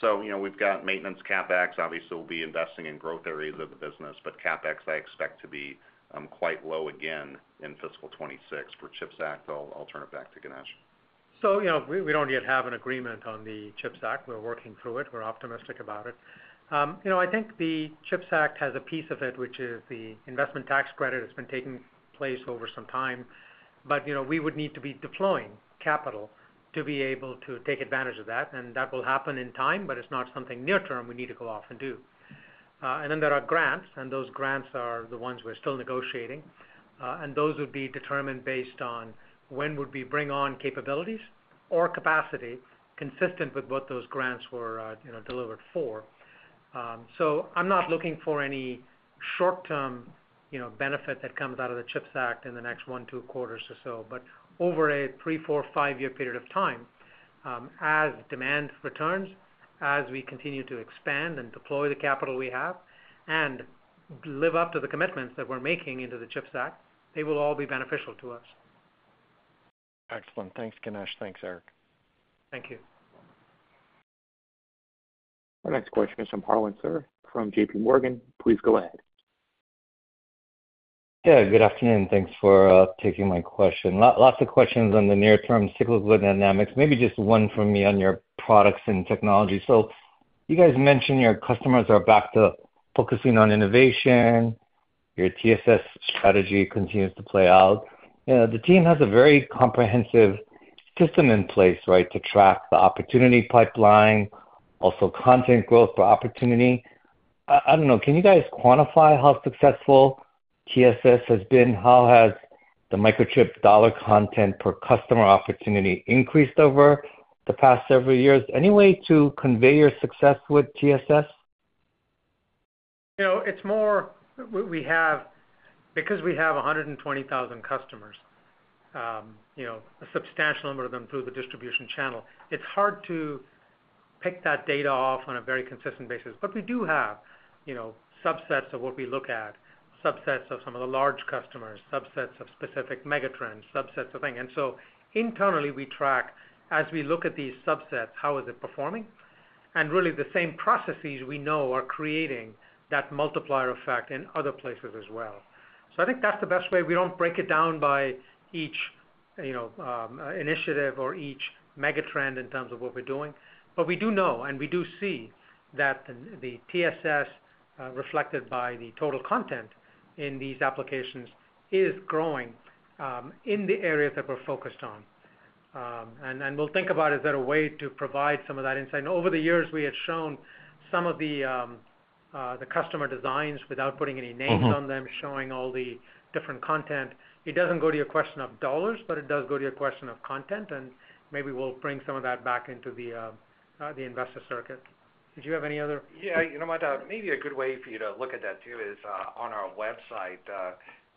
So we've got maintenance CapEx. Obviously, we'll be investing in growth areas of the business, but CapEx, I expect to be quite low again in fiscal 2026. For CHIPS Act, I'll turn it back to Ganesh. So we don't yet have an agreement on the CHIPS Act. We're working through it. We're optimistic about it. I think the CHIPS Act has a piece of it, which is the Investment Tax Credit. It's been taking place over some time, but we would need to be deploying capital to be able to take advantage of that. And that will happen in time, but it's not something near-term we need to go off and do. And then there are grants, and those grants are the ones we're still negotiating. And those would be determined based on when would we bring on capabilities or capacity consistent with what those grants were delivered for. So I'm not looking for any short-term benefit that comes out of the CHIPS Act in the next one, two quarters or so, but over a three, four, five-year period of time, as demand returns, as we continue to expand and deploy the capital we have and live up to the commitments that we're making into the CHIPS Act, they will all be beneficial to us. Excellent. Thanks, Ganesh. Thanks, Eric. Thank you. Our next question is from Harlan Sur from JPMorgan. Please go ahead. Yeah. Good afternoon. Thanks for taking my question. Lots of questions on the near-term cyclical dynamics. Maybe just one from me on your products and technology. So you guys mentioned your customers are back to focusing on innovation. Your TSS strategy continues to play out. The team has a very comprehensive system in place, right, to track the opportunity pipeline, also content growth for opportunity. I don't know. Can you guys quantify how successful TSS has been? How has the Microchip dollar content per customer opportunity increased over the past several years? Any way to convey your success with TSS? It's more we have because we have 120,000 customers, a substantial number of them through the distribution channel. It's hard to pick that data off on a very consistent basis, but we do have subsets of what we look at, subsets of some of the large customers, subsets of specific megatrends, subsets of things, and so internally we track as we look at these subsets how is it performing? Really, the same processes we know are creating that multiplier effect in other places as well. I think that's the best way. We don't break it down by each initiative or each megatrend in terms of what we're doing, but we do know and we do see that the TSS reflected by the total content in these applications is growing in the areas that we're focused on. And we'll think about, is there a way to provide some of that insight? And over the years, we had shown some of the customer designs without putting any names on them, showing all the different content. It doesn't go to your question of dollars, but it does go to your question of content. And maybe we'll bring some of that back into the investor circuit. Did you have any other? Yeah. You know, my dad, maybe a good way for you to look at that too is on our website.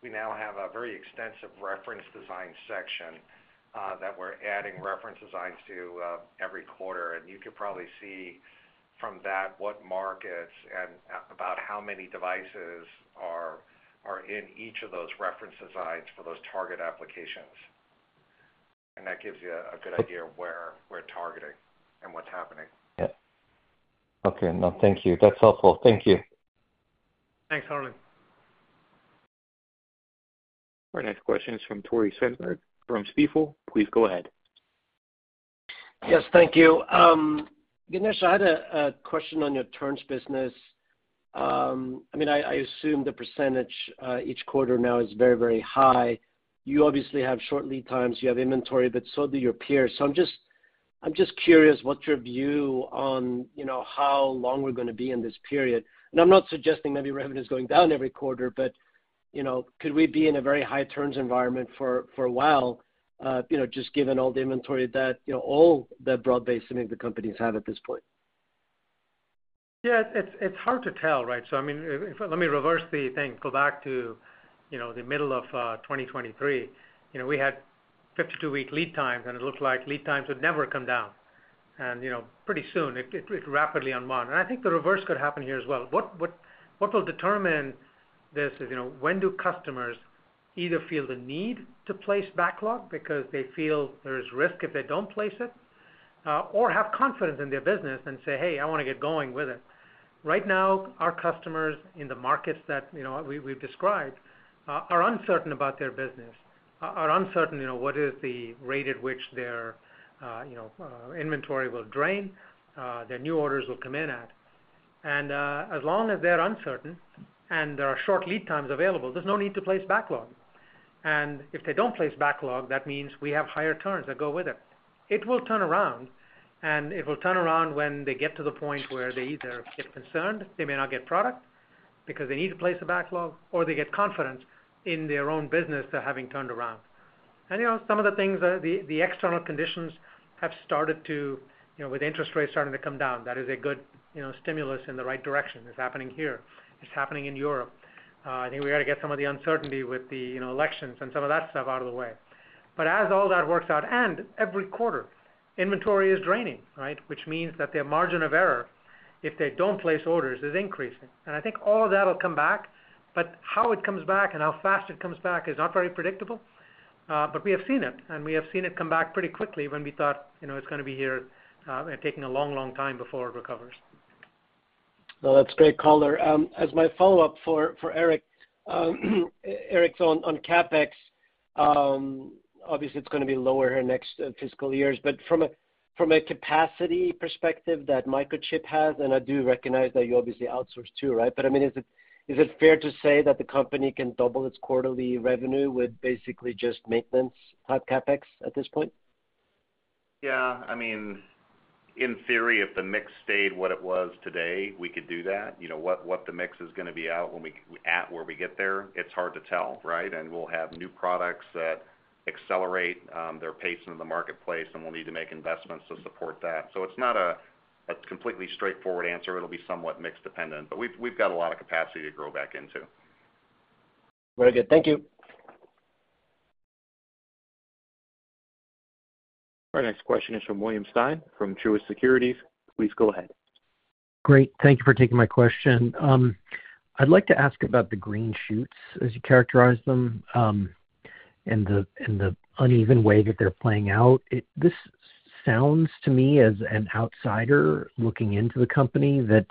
We now have a very extensive reference design section that we're adding reference designs to every quarter. And you could probably see from that what markets and about how many devices are in each of those reference designs for those target applications. And that gives you a good idea of where we're targeting and what's happening. Yeah. Okay. No, thank you. That's helpful. Thank you. Thanks, Harlan. Our next question is from Tore Svanberg from Stifel. Please go ahead. Yes. Thank you. Ganesh, I had a question on your turns business. I mean, I assume the percentage each quarter now is very, very high. You obviously have short lead times. You have inventory, but so do your peers. So I'm just curious what's your view on how long we're going to be in this period. And I'm not suggesting maybe revenue is going down every quarter, but could we be in a very high turns environment for a while just given all the inventory that all the broad-based semiconductor companies have at this point? Yeah. It's hard to tell, right? So I mean, let me reverse the thing. Go back to the middle of 2023. We had 52-week lead times, and it looked like lead times would never come down. And pretty soon, it rapidly unwound. And I think the reverse could happen here as well. What will determine this is when do customers either feel the need to place backlog because they feel there is risk if they don't place it, or have confidence in their business and say, "Hey, I want to get going with it." Right now, our customers in the markets that we've described are uncertain about their business, are uncertain what is the rate at which their inventory will drain, their new orders will come in at. As long as they're uncertain and there are short lead times available, there's no need to place backlog, and if they don't place backlog, that means we have higher turns that go with it. It will turn around, and it will turn around when they get to the point where they either get concerned they may not get product because they need to place a backlog, or they get confidence in their own business they're having turned around. Some of the things, the external conditions have started to, with interest rates starting to come down, that is a good stimulus in the right direction. It's happening here. It's happening in Europe. I think we got to get some of the uncertainty with the elections and some of that stuff out of the way. As all that works out, and every quarter, inventory is draining, right, which means that their margin of error, if they don't place orders, is increasing. I think all of that will come back, but how it comes back and how fast it comes back is not very predictable. We have seen it, and we have seen it come back pretty quickly when we thought it's going to be here taking a long, long time before it recovers. That's great, Harlan. As my follow-up for Eric, Eric's on CapEx. Obviously, it's going to be lower here next fiscal years. From a capacity perspective that Microchip has, and I do recognize that you obviously outsource too, right? I mean, is it fair to say that the company can double its quarterly revenue with basically just maintenance-type CapEx at this point? Yeah. I mean, in theory, if the mix stayed what it was today, we could do that. What the mix is going to be at where we get there, it's hard to tell, right? And we'll have new products that accelerate their pace in the marketplace, and we'll need to make investments to support that. So it's not a completely straightforward answer. It'll be somewhat mixed-dependent, but we've got a lot of capacity to grow back into. Very good. Thank you. Our next question is from William Stein from Truist Securities. Please go ahead. Great. Thank you for taking my question. I'd like to ask about the green shoots, as you characterize them, and the uneven way that they're playing out. This sounds to me as an outsider looking into the company that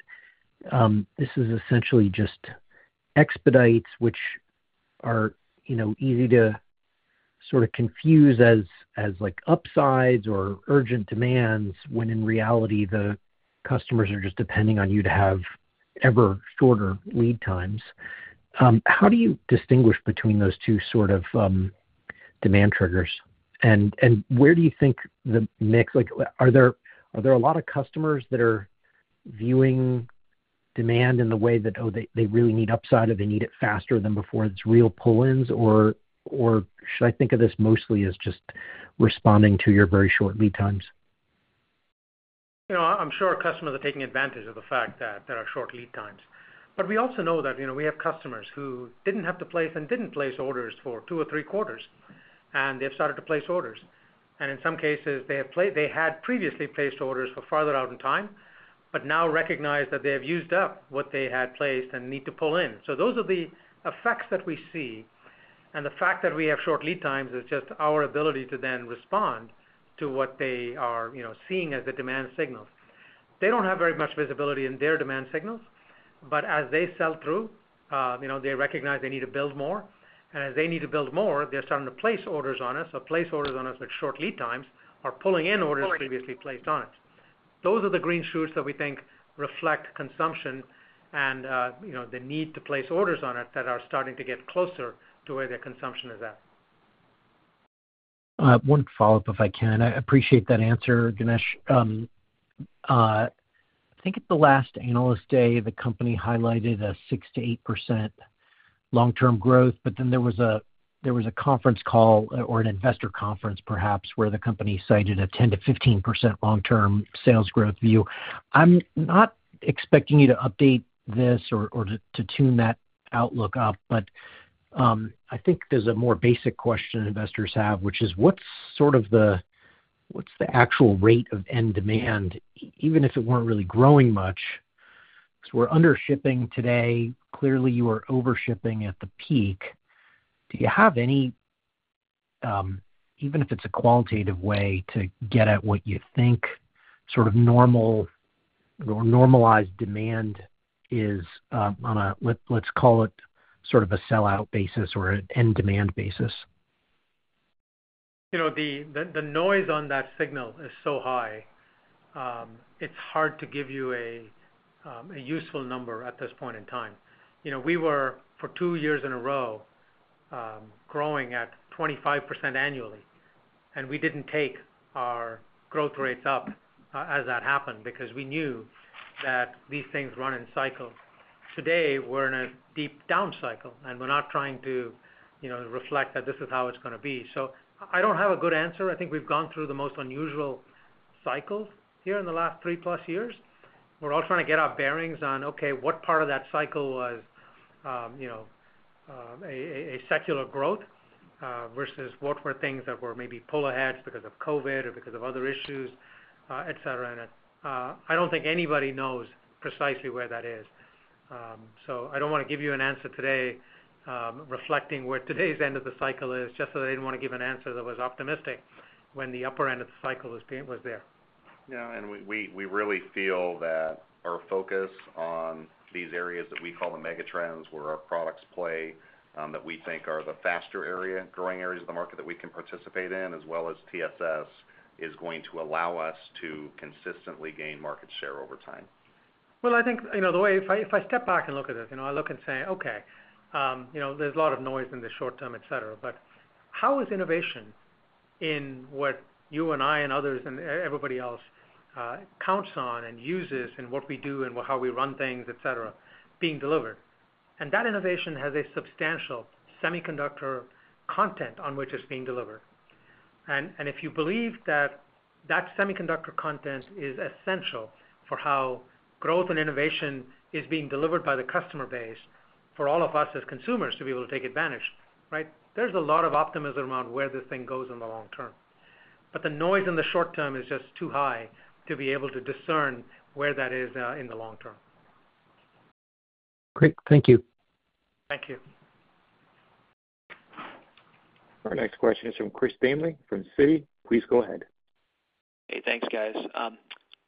this is essentially just expedites, which are easy to sort of confuse as upsides or urgent demands when in reality, the customers are just depending on you to have ever shorter lead times. How do you distinguish between those two sort of demand triggers? And where do you think the mix? Are there a lot of customers that are viewing demand in the way that, oh, they really need upside or they need it faster than before? It's real pull-ins, or should I think of this mostly as just responding to your very short lead times? I'm sure our customers are taking advantage of the fact that there are short lead times. But we also know that we have customers who didn't have to place and didn't place orders for two or three quarters, and they've started to place orders. And in some cases, they had previously placed orders for farther out in time, but now recognize that they have used up what they had placed and need to pull in. So those are the effects that we see. And the fact that we have short lead times is just our ability to then respond to what they are seeing as the demand signals. They don't have very much visibility in their demand signals, but as they sell through, they recognize they need to build more. As they need to build more, they're starting to place orders on us or place orders on us with short lead times or pulling in orders previously placed on us. Those are the green shoots that we think reflect consumption and the need to place orders on it that are starting to get closer to where their consumption is at. One follow-up, if I can. I appreciate that answer, Ganesh. I think at the last analyst day, the company highlighted a 6%-8% long-term growth, but then there was a conference call or an investor conference, perhaps, where the company cited a 10%-15% long-term sales growth view. I'm not expecting you to update this or to tune that outlook up, but I think there's a more basic question investors have, which is what's sort of the actual rate of end demand, even if it weren't really growing much? Because we're under shipping today. Clearly, you are overshipping at the peak. Do you have any, even if it's a qualitative way, to get at what you think sort of normal or normalized demand is on a, let's call it sort of a sell-out basis or an end demand basis? The noise on that signal is so high, it's hard to give you a useful number at this point in time. We were, for two years in a row, growing at 25% annually, and we didn't take our growth rates up as that happened because we knew that these things run in cycles. Today, we're in a deep down cycle, and we're not trying to reflect that this is how it's going to be. So I don't have a good answer. I think we've gone through the most unusual cycles here in the last three-plus years. We're all trying to get our bearings on, okay, what part of that cycle was a secular growth versus what were things that were maybe pull-aheads because of COVID or because of other issues, etc. I don't think anybody knows precisely where that is. So I don't want to give you an answer today reflecting where today's end of the cycle is, just so they didn't want to give an answer that was optimistic when the upper end of the cycle was there. Yeah. And we really feel that our focus on these areas that we call the megatrends, where our products play, that we think are the faster growing areas of the market that we can participate in, as well as TSS, is going to allow us to consistently gain market share over time. I think the way if I step back and look at it, I look and say, "Okay. There's a lot of noise in the short term, etc." But how is innovation in what you and I and others and everybody else counts on and uses and what we do and how we run things, etc., being delivered? And that innovation has a substantial semiconductor content on which it's being delivered. And if you believe that that semiconductor content is essential for how growth and innovation is being delivered by the customer base for all of us as consumers to be able to take advantage, right? There's a lot of optimism around where this thing goes in the long term. But the noise in the short term is just too high to be able to discern where that is in the long term. Great. Thank you. Thank you. Our next question is from Christopher Danely from Citi. Please go ahead. Hey, thanks, guys.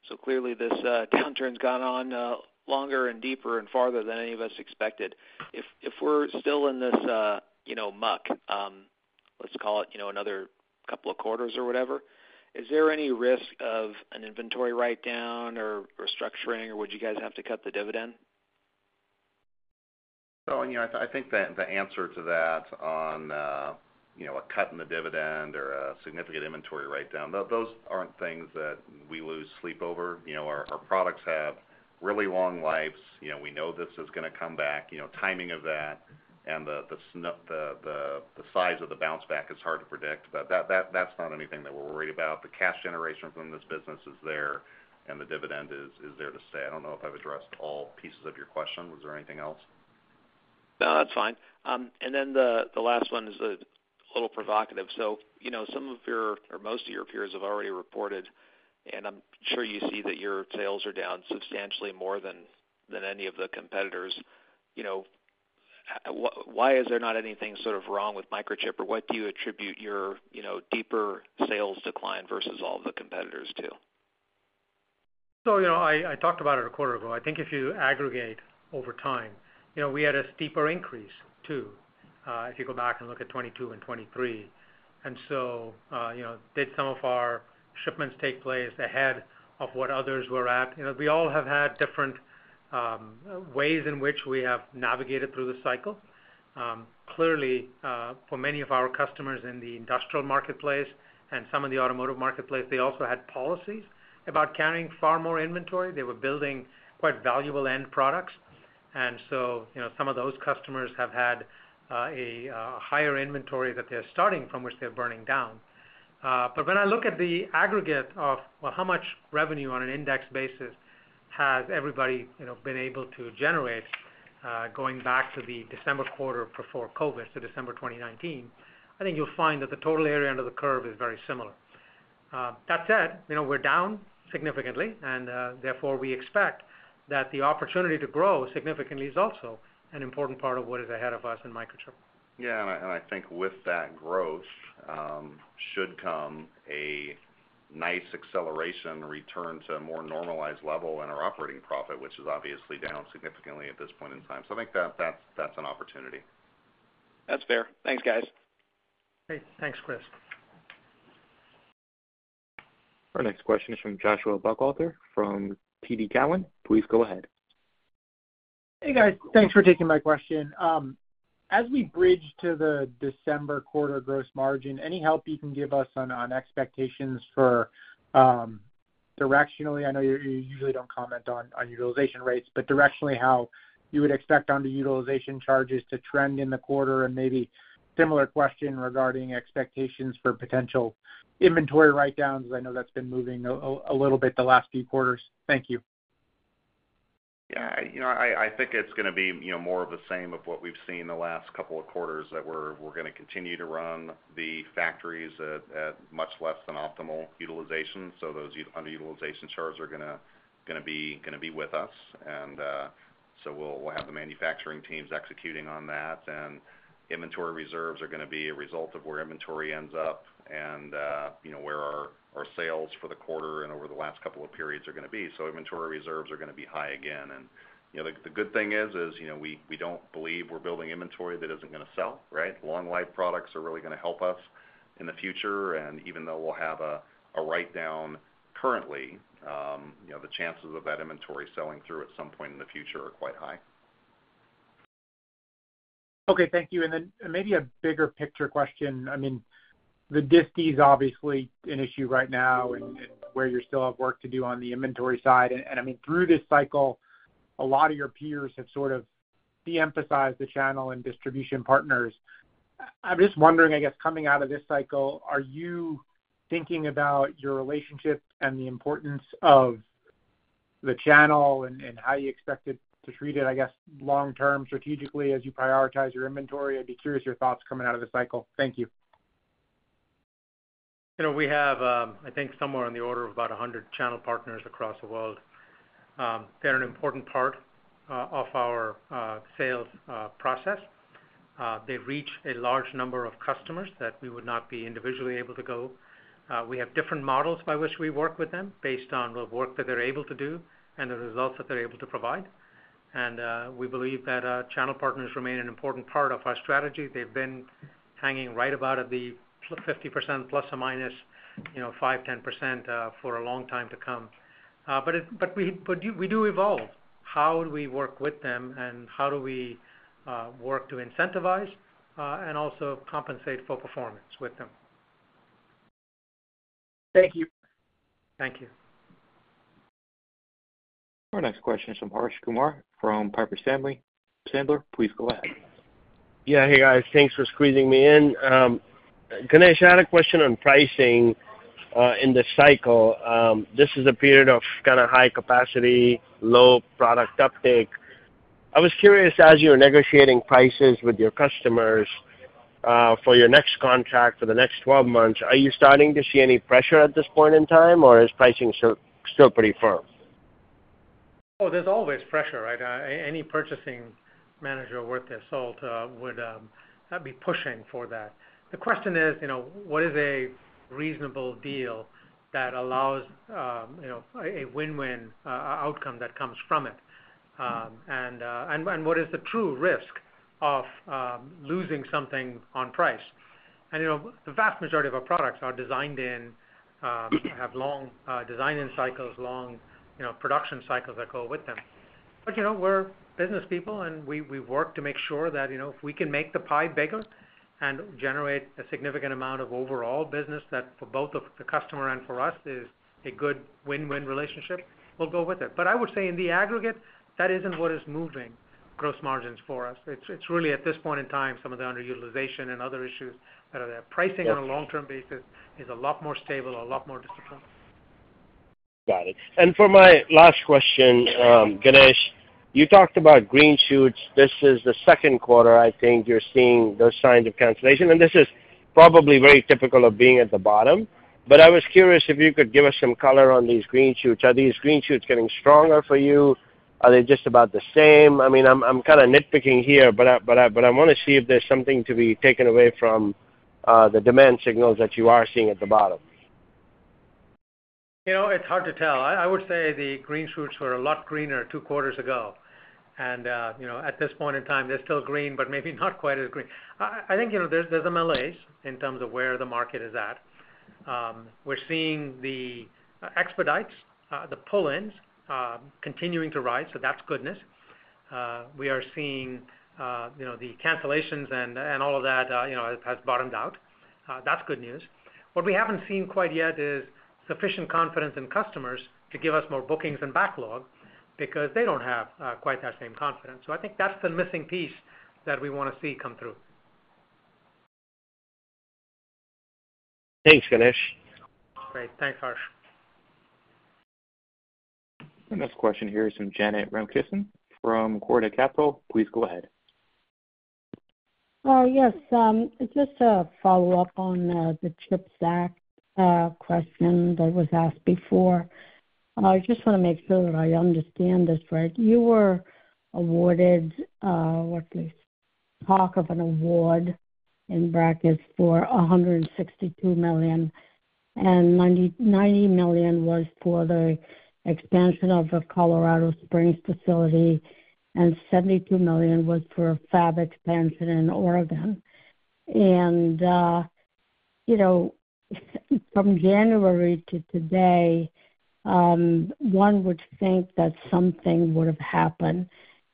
So clearly, this downturn's gone on longer and deeper and farther than any of us expected. If we're still in this muck, let's call it another couple of quarters or whatever, is there any risk of an inventory write-down or restructuring, or would you guys have to cut the dividend? So I think the answer to that on a cut in the dividend or a significant inventory write-down, those aren't things that we lose sleep over. Our products have really long lives. We know this is going to come back. Timing of that and the size of the bounce back is hard to predict, but that's not anything that we're worried about. The cash generation from this business is there, and the dividend is there to stay. I don't know if I've addressed all pieces of your question. Was there anything else? No, that's fine. And then the last one is a little provocative. So some of your or most of your peers have already reported, and I'm sure you see that your sales are down substantially more than any of the competitors. Why is there not anything sort of wrong with Microchip, or what do you attribute your deeper sales decline versus all of the competitors to? I talked about it a quarter ago. I think if you aggregate over time, we had a steeper increase too if you go back and look at 2022 and 2023. And so did some of our shipments take place ahead of what others were at? We all have had different ways in which we have navigated through the cycle. Clearly, for many of our customers in the industrial marketplace and some of the automotive marketplace, they also had policies about carrying far more inventory. They were building quite valuable end products. And so some of those customers have had a higher inventory that they're starting from, which they're burning down. But when I look at the aggregate of, well, how much revenue on an index basis has everybody been able to generate going back to the December quarter before COVID, so December 2019, I think you'll find that the total area under the curve is very similar. That said, we're down significantly, and therefore we expect that the opportunity to grow significantly is also an important part of what is ahead of us in Microchip. Yeah, and I think with that growth should come a nice acceleration return to a more normalized level in our operating profit, which is obviously down significantly at this point in time, so I think that's an opportunity. That's fair. Thanks, guys. Hey, thanks, Chris. Our next question is from Joshua Buchalter from TD Cowen. Please go ahead. Hey, guys. Thanks for taking my question. As we bridge to the December quarter gross margin, any help you can give us on expectations for directionally? I know you usually don't comment on utilization rates, but directionally how you would expect on the utilization charges to trend in the quarter and maybe similar question regarding expectations for potential inventory write-downs, as I know that's been moving a little bit the last few quarters. Thank you. Yeah. I think it's going to be more of the same of what we've seen the last couple of quarters that we're going to continue to run the factories at much less than optimal utilization. So those under-utilization charts are going to be with us. And so we'll have the manufacturing teams executing on that. And inventory reserves are going to be a result of where inventory ends up and where our sales for the quarter and over the last couple of periods are going to be. So inventory reserves are going to be high again. And the good thing is we don't believe we're building inventory that isn't going to sell, right? Long-life products are really going to help us in the future. And even though we'll have a write-down currently, the chances of that inventory selling through at some point in the future are quite high. Okay. Thank you. And then maybe a bigger picture question. I mean, the disties is obviously an issue right now and where you still have work to do on the inventory side. And I mean, through this cycle, a lot of your peers have sort of de-emphasized the channel and distribution partners. I'm just wondering, I guess, coming out of this cycle, are you thinking about your relationship and the importance of the channel and how you expect to treat it, I guess, long-term strategically as you prioritize your inventory? I'd be curious your thoughts coming out of the cycle. Thank you. We have, I think, somewhere on the order of about 100 channel partners across the world. They're an important part of our sales process. They reach a large number of customers that we would not be individually able to go. We have different models by which we work with them based on the work that they're able to do and the results that they're able to provide. And we believe that channel partners remain an important part of our strategy. They've been hanging right about at the 50% plus or minus 5%-10% for a long time to come. But we do evolve. How do we work with them and how do we work to incentivize and also compensate for performance with them? Thank you. Thank you. Our next question is from Harsh Kumar from Piper Sandler. Please go ahead. Yeah. Hey, guys. Thanks for squeezing me in. Ganesh, I had a question on pricing in the cycle. This is a period of kind of high capacity, low product uptake. I was curious, as you're negotiating prices with your customers for your next contract for the next 12 months, are you starting to see any pressure at this point in time, or is pricing still pretty firm? Oh, there's always pressure, right? Any purchasing manager worth their salt would be pushing for that. The question is, what is a reasonable deal that allows a win-win outcome that comes from it? And what is the true risk of losing something on price? And the vast majority of our products are designed in, have long design-in cycles, long production cycles that go with them. But we're business people, and we work to make sure that if we can make the pie bigger and generate a significant amount of overall business that for both the customer and for us is a good win-win relationship, we'll go with it. But I would say in the aggregate, that isn't what is moving gross margins for us. It's really, at this point in time, some of the under-utilization and other issues that are there. Pricing on a long-term basis is a lot more stable, a lot more disciplined. Got it. And for my last question, Ganesh, you talked about green shoots. This is the second quarter, I think you're seeing those signs of cancellation. And this is probably very typical of being at the bottom. But I was curious if you could give us some color on these green shoots. Are these green shoots getting stronger for you? Are they just about the same? I mean, I'm kind of nitpicking here, but I want to see if there's something to be taken away from the demand signals that you are seeing at the bottom. It's hard to tell. I would say the green shoots were a lot greener two quarters ago, and at this point in time, they're still green, but maybe not quite as green. I think there's malaise in terms of where the market is at. We're seeing the expedites, the pull-ins continuing to rise, so that's goodness. We are seeing the cancellations and all of that has bottomed out. That's good news. What we haven't seen quite yet is sufficient confidence in customers to give us more bookings and backlog because they don't have quite that same confidence. So I think that's the missing piece that we want to see come through. Thanks, Ganesh. Great. Thanks, Harsh. Our next question here is from Janet Ramkissoon from Quadra Capital. Please go ahead. Yes. Just a follow-up on the CHIPS Act question that was asked before. I just want to make sure that I understand this right. You were awarded a total award of $162 million, and $90 million was for the expansion of the Colorado Springs facility, and $72 million was for fab expansion in Oregon. And from January to today, one would think that something would have happened.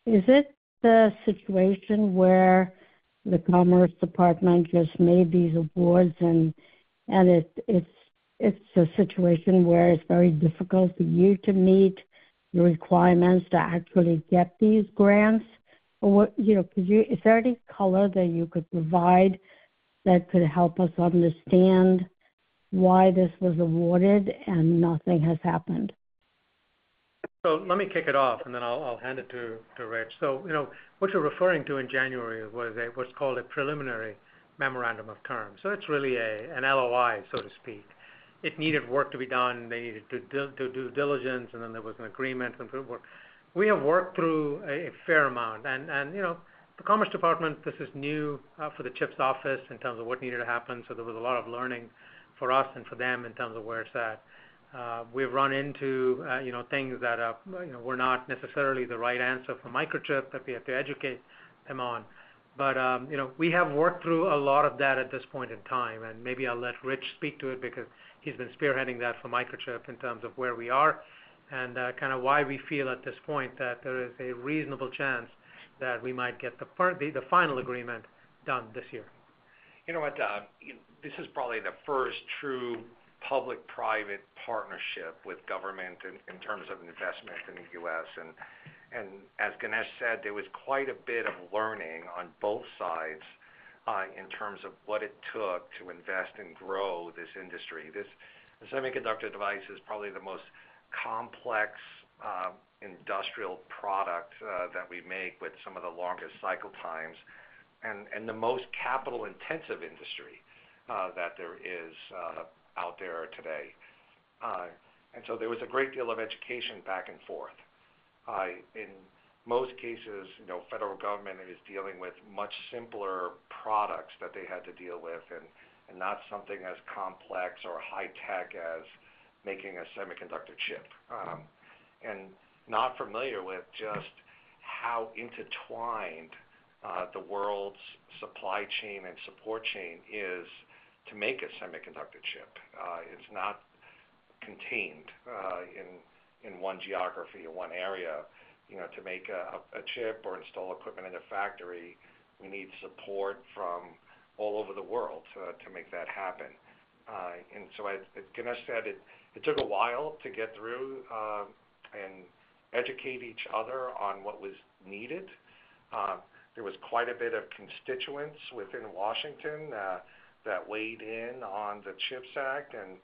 Is it the situation where the Department of Commerce just made these awards, and it's a situation where it's very difficult for you to meet the requirements to actually get these grants? Is there any color that you could provide that could help us understand why this was awarded and nothing has happened? Let me kick it off, and then I'll hand it to Rich. What you're referring to in January was what's called a Preliminary Memorandum of Terms. It's really an LOI, so to speak. It needed work to be done. They needed to do due diligence, and then there was an agreement. We have worked through a fair amount. The Commerce Department, this is new for the CHIPS office in terms of what needed to happen. There was a lot of learning for us and for them in terms of where it's at. We've run into things that were not necessarily the right answer for Microchip that we had to educate them on. We have worked through a lot of that at this point in time. And maybe I'll let Rich speak to it because he's been spearheading that for Microchip in terms of where we are and kind of why we feel at this point that there is a reasonable chance that we might get the final agreement done this year. You know what? This is probably the first true public-private partnership with government in terms of investment in the U.S. And as Ganesh said, there was quite a bit of learning on both sides in terms of what it took to invest and grow this industry. The semiconductor device is probably the most complex industrial product that we make with some of the longest cycle times and the most capital-intensive industry that there is out there today. And so there was a great deal of education back and forth. In most cases, federal government is dealing with much simpler products that they had to deal with and not something as complex or high-tech as making a semiconductor chip. And not familiar with just how intertwined the world's supply chain and support chain is to make a semiconductor chip. It's not contained in one geography or one area. To make a chip or install equipment in a factory, we need support from all over the world to make that happen. And so Ganesh said it took a while to get through and educate each other on what was needed. There was quite a bit of constituents within Washington that weighed in on the CHIPS Act. And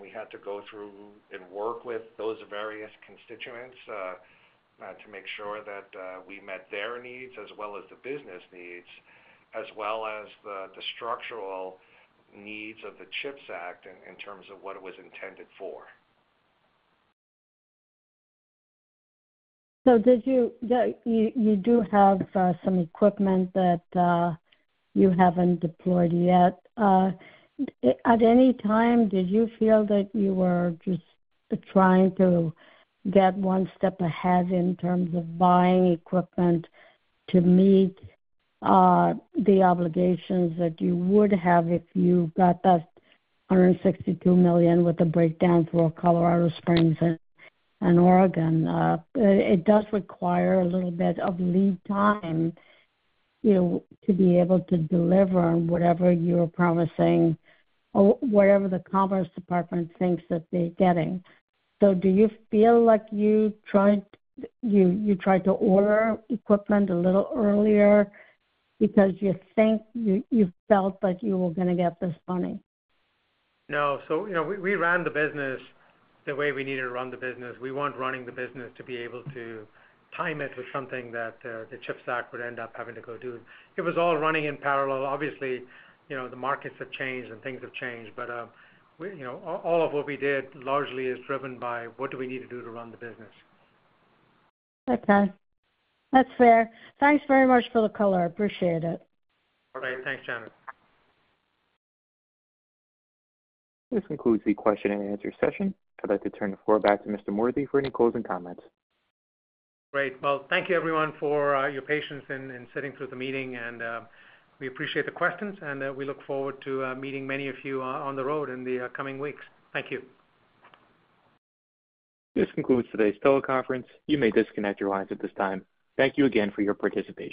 we had to go through and work with those various constituents to make sure that we met their needs as well as the business needs, as well as the structural needs of the CHIPS Act in terms of what it was intended for. So you do have some equipment that you haven't deployed yet. At any time, did you feel that you were just trying to get one step ahead in terms of buying equipment to meet the obligations that you would have if you got that $162 million with the breakdown for Colorado Springs and Oregon? It does require a little bit of lead time to be able to deliver whatever you're promising, whatever the Commerce Department thinks that they're getting. So do you feel like you tried to order equipment a little earlier because you felt that you were going to get this money? No. So we ran the business the way we needed to run the business. We weren't running the business to be able to time it with something that the CHIPS Act would end up having to go do. It was all running in parallel. Obviously, the markets have changed and things have changed. But all of what we did largely is driven by what do we need to do to run the business. Okay. That's fair. Thanks very much for the color. I appreciate it. All right. Thanks, Janet. This concludes the question-and-answer session. I'd like to turn the floor back to Mr. Moorthy for any closing comments. Great. Thank you, everyone, for your patience in sitting through the meeting. We appreciate the questions. We look forward to meeting many of you on the road in the coming weeks. Thank you. This concludes today's teleconference. You may disconnect your lines at this time. Thank you again for your participation.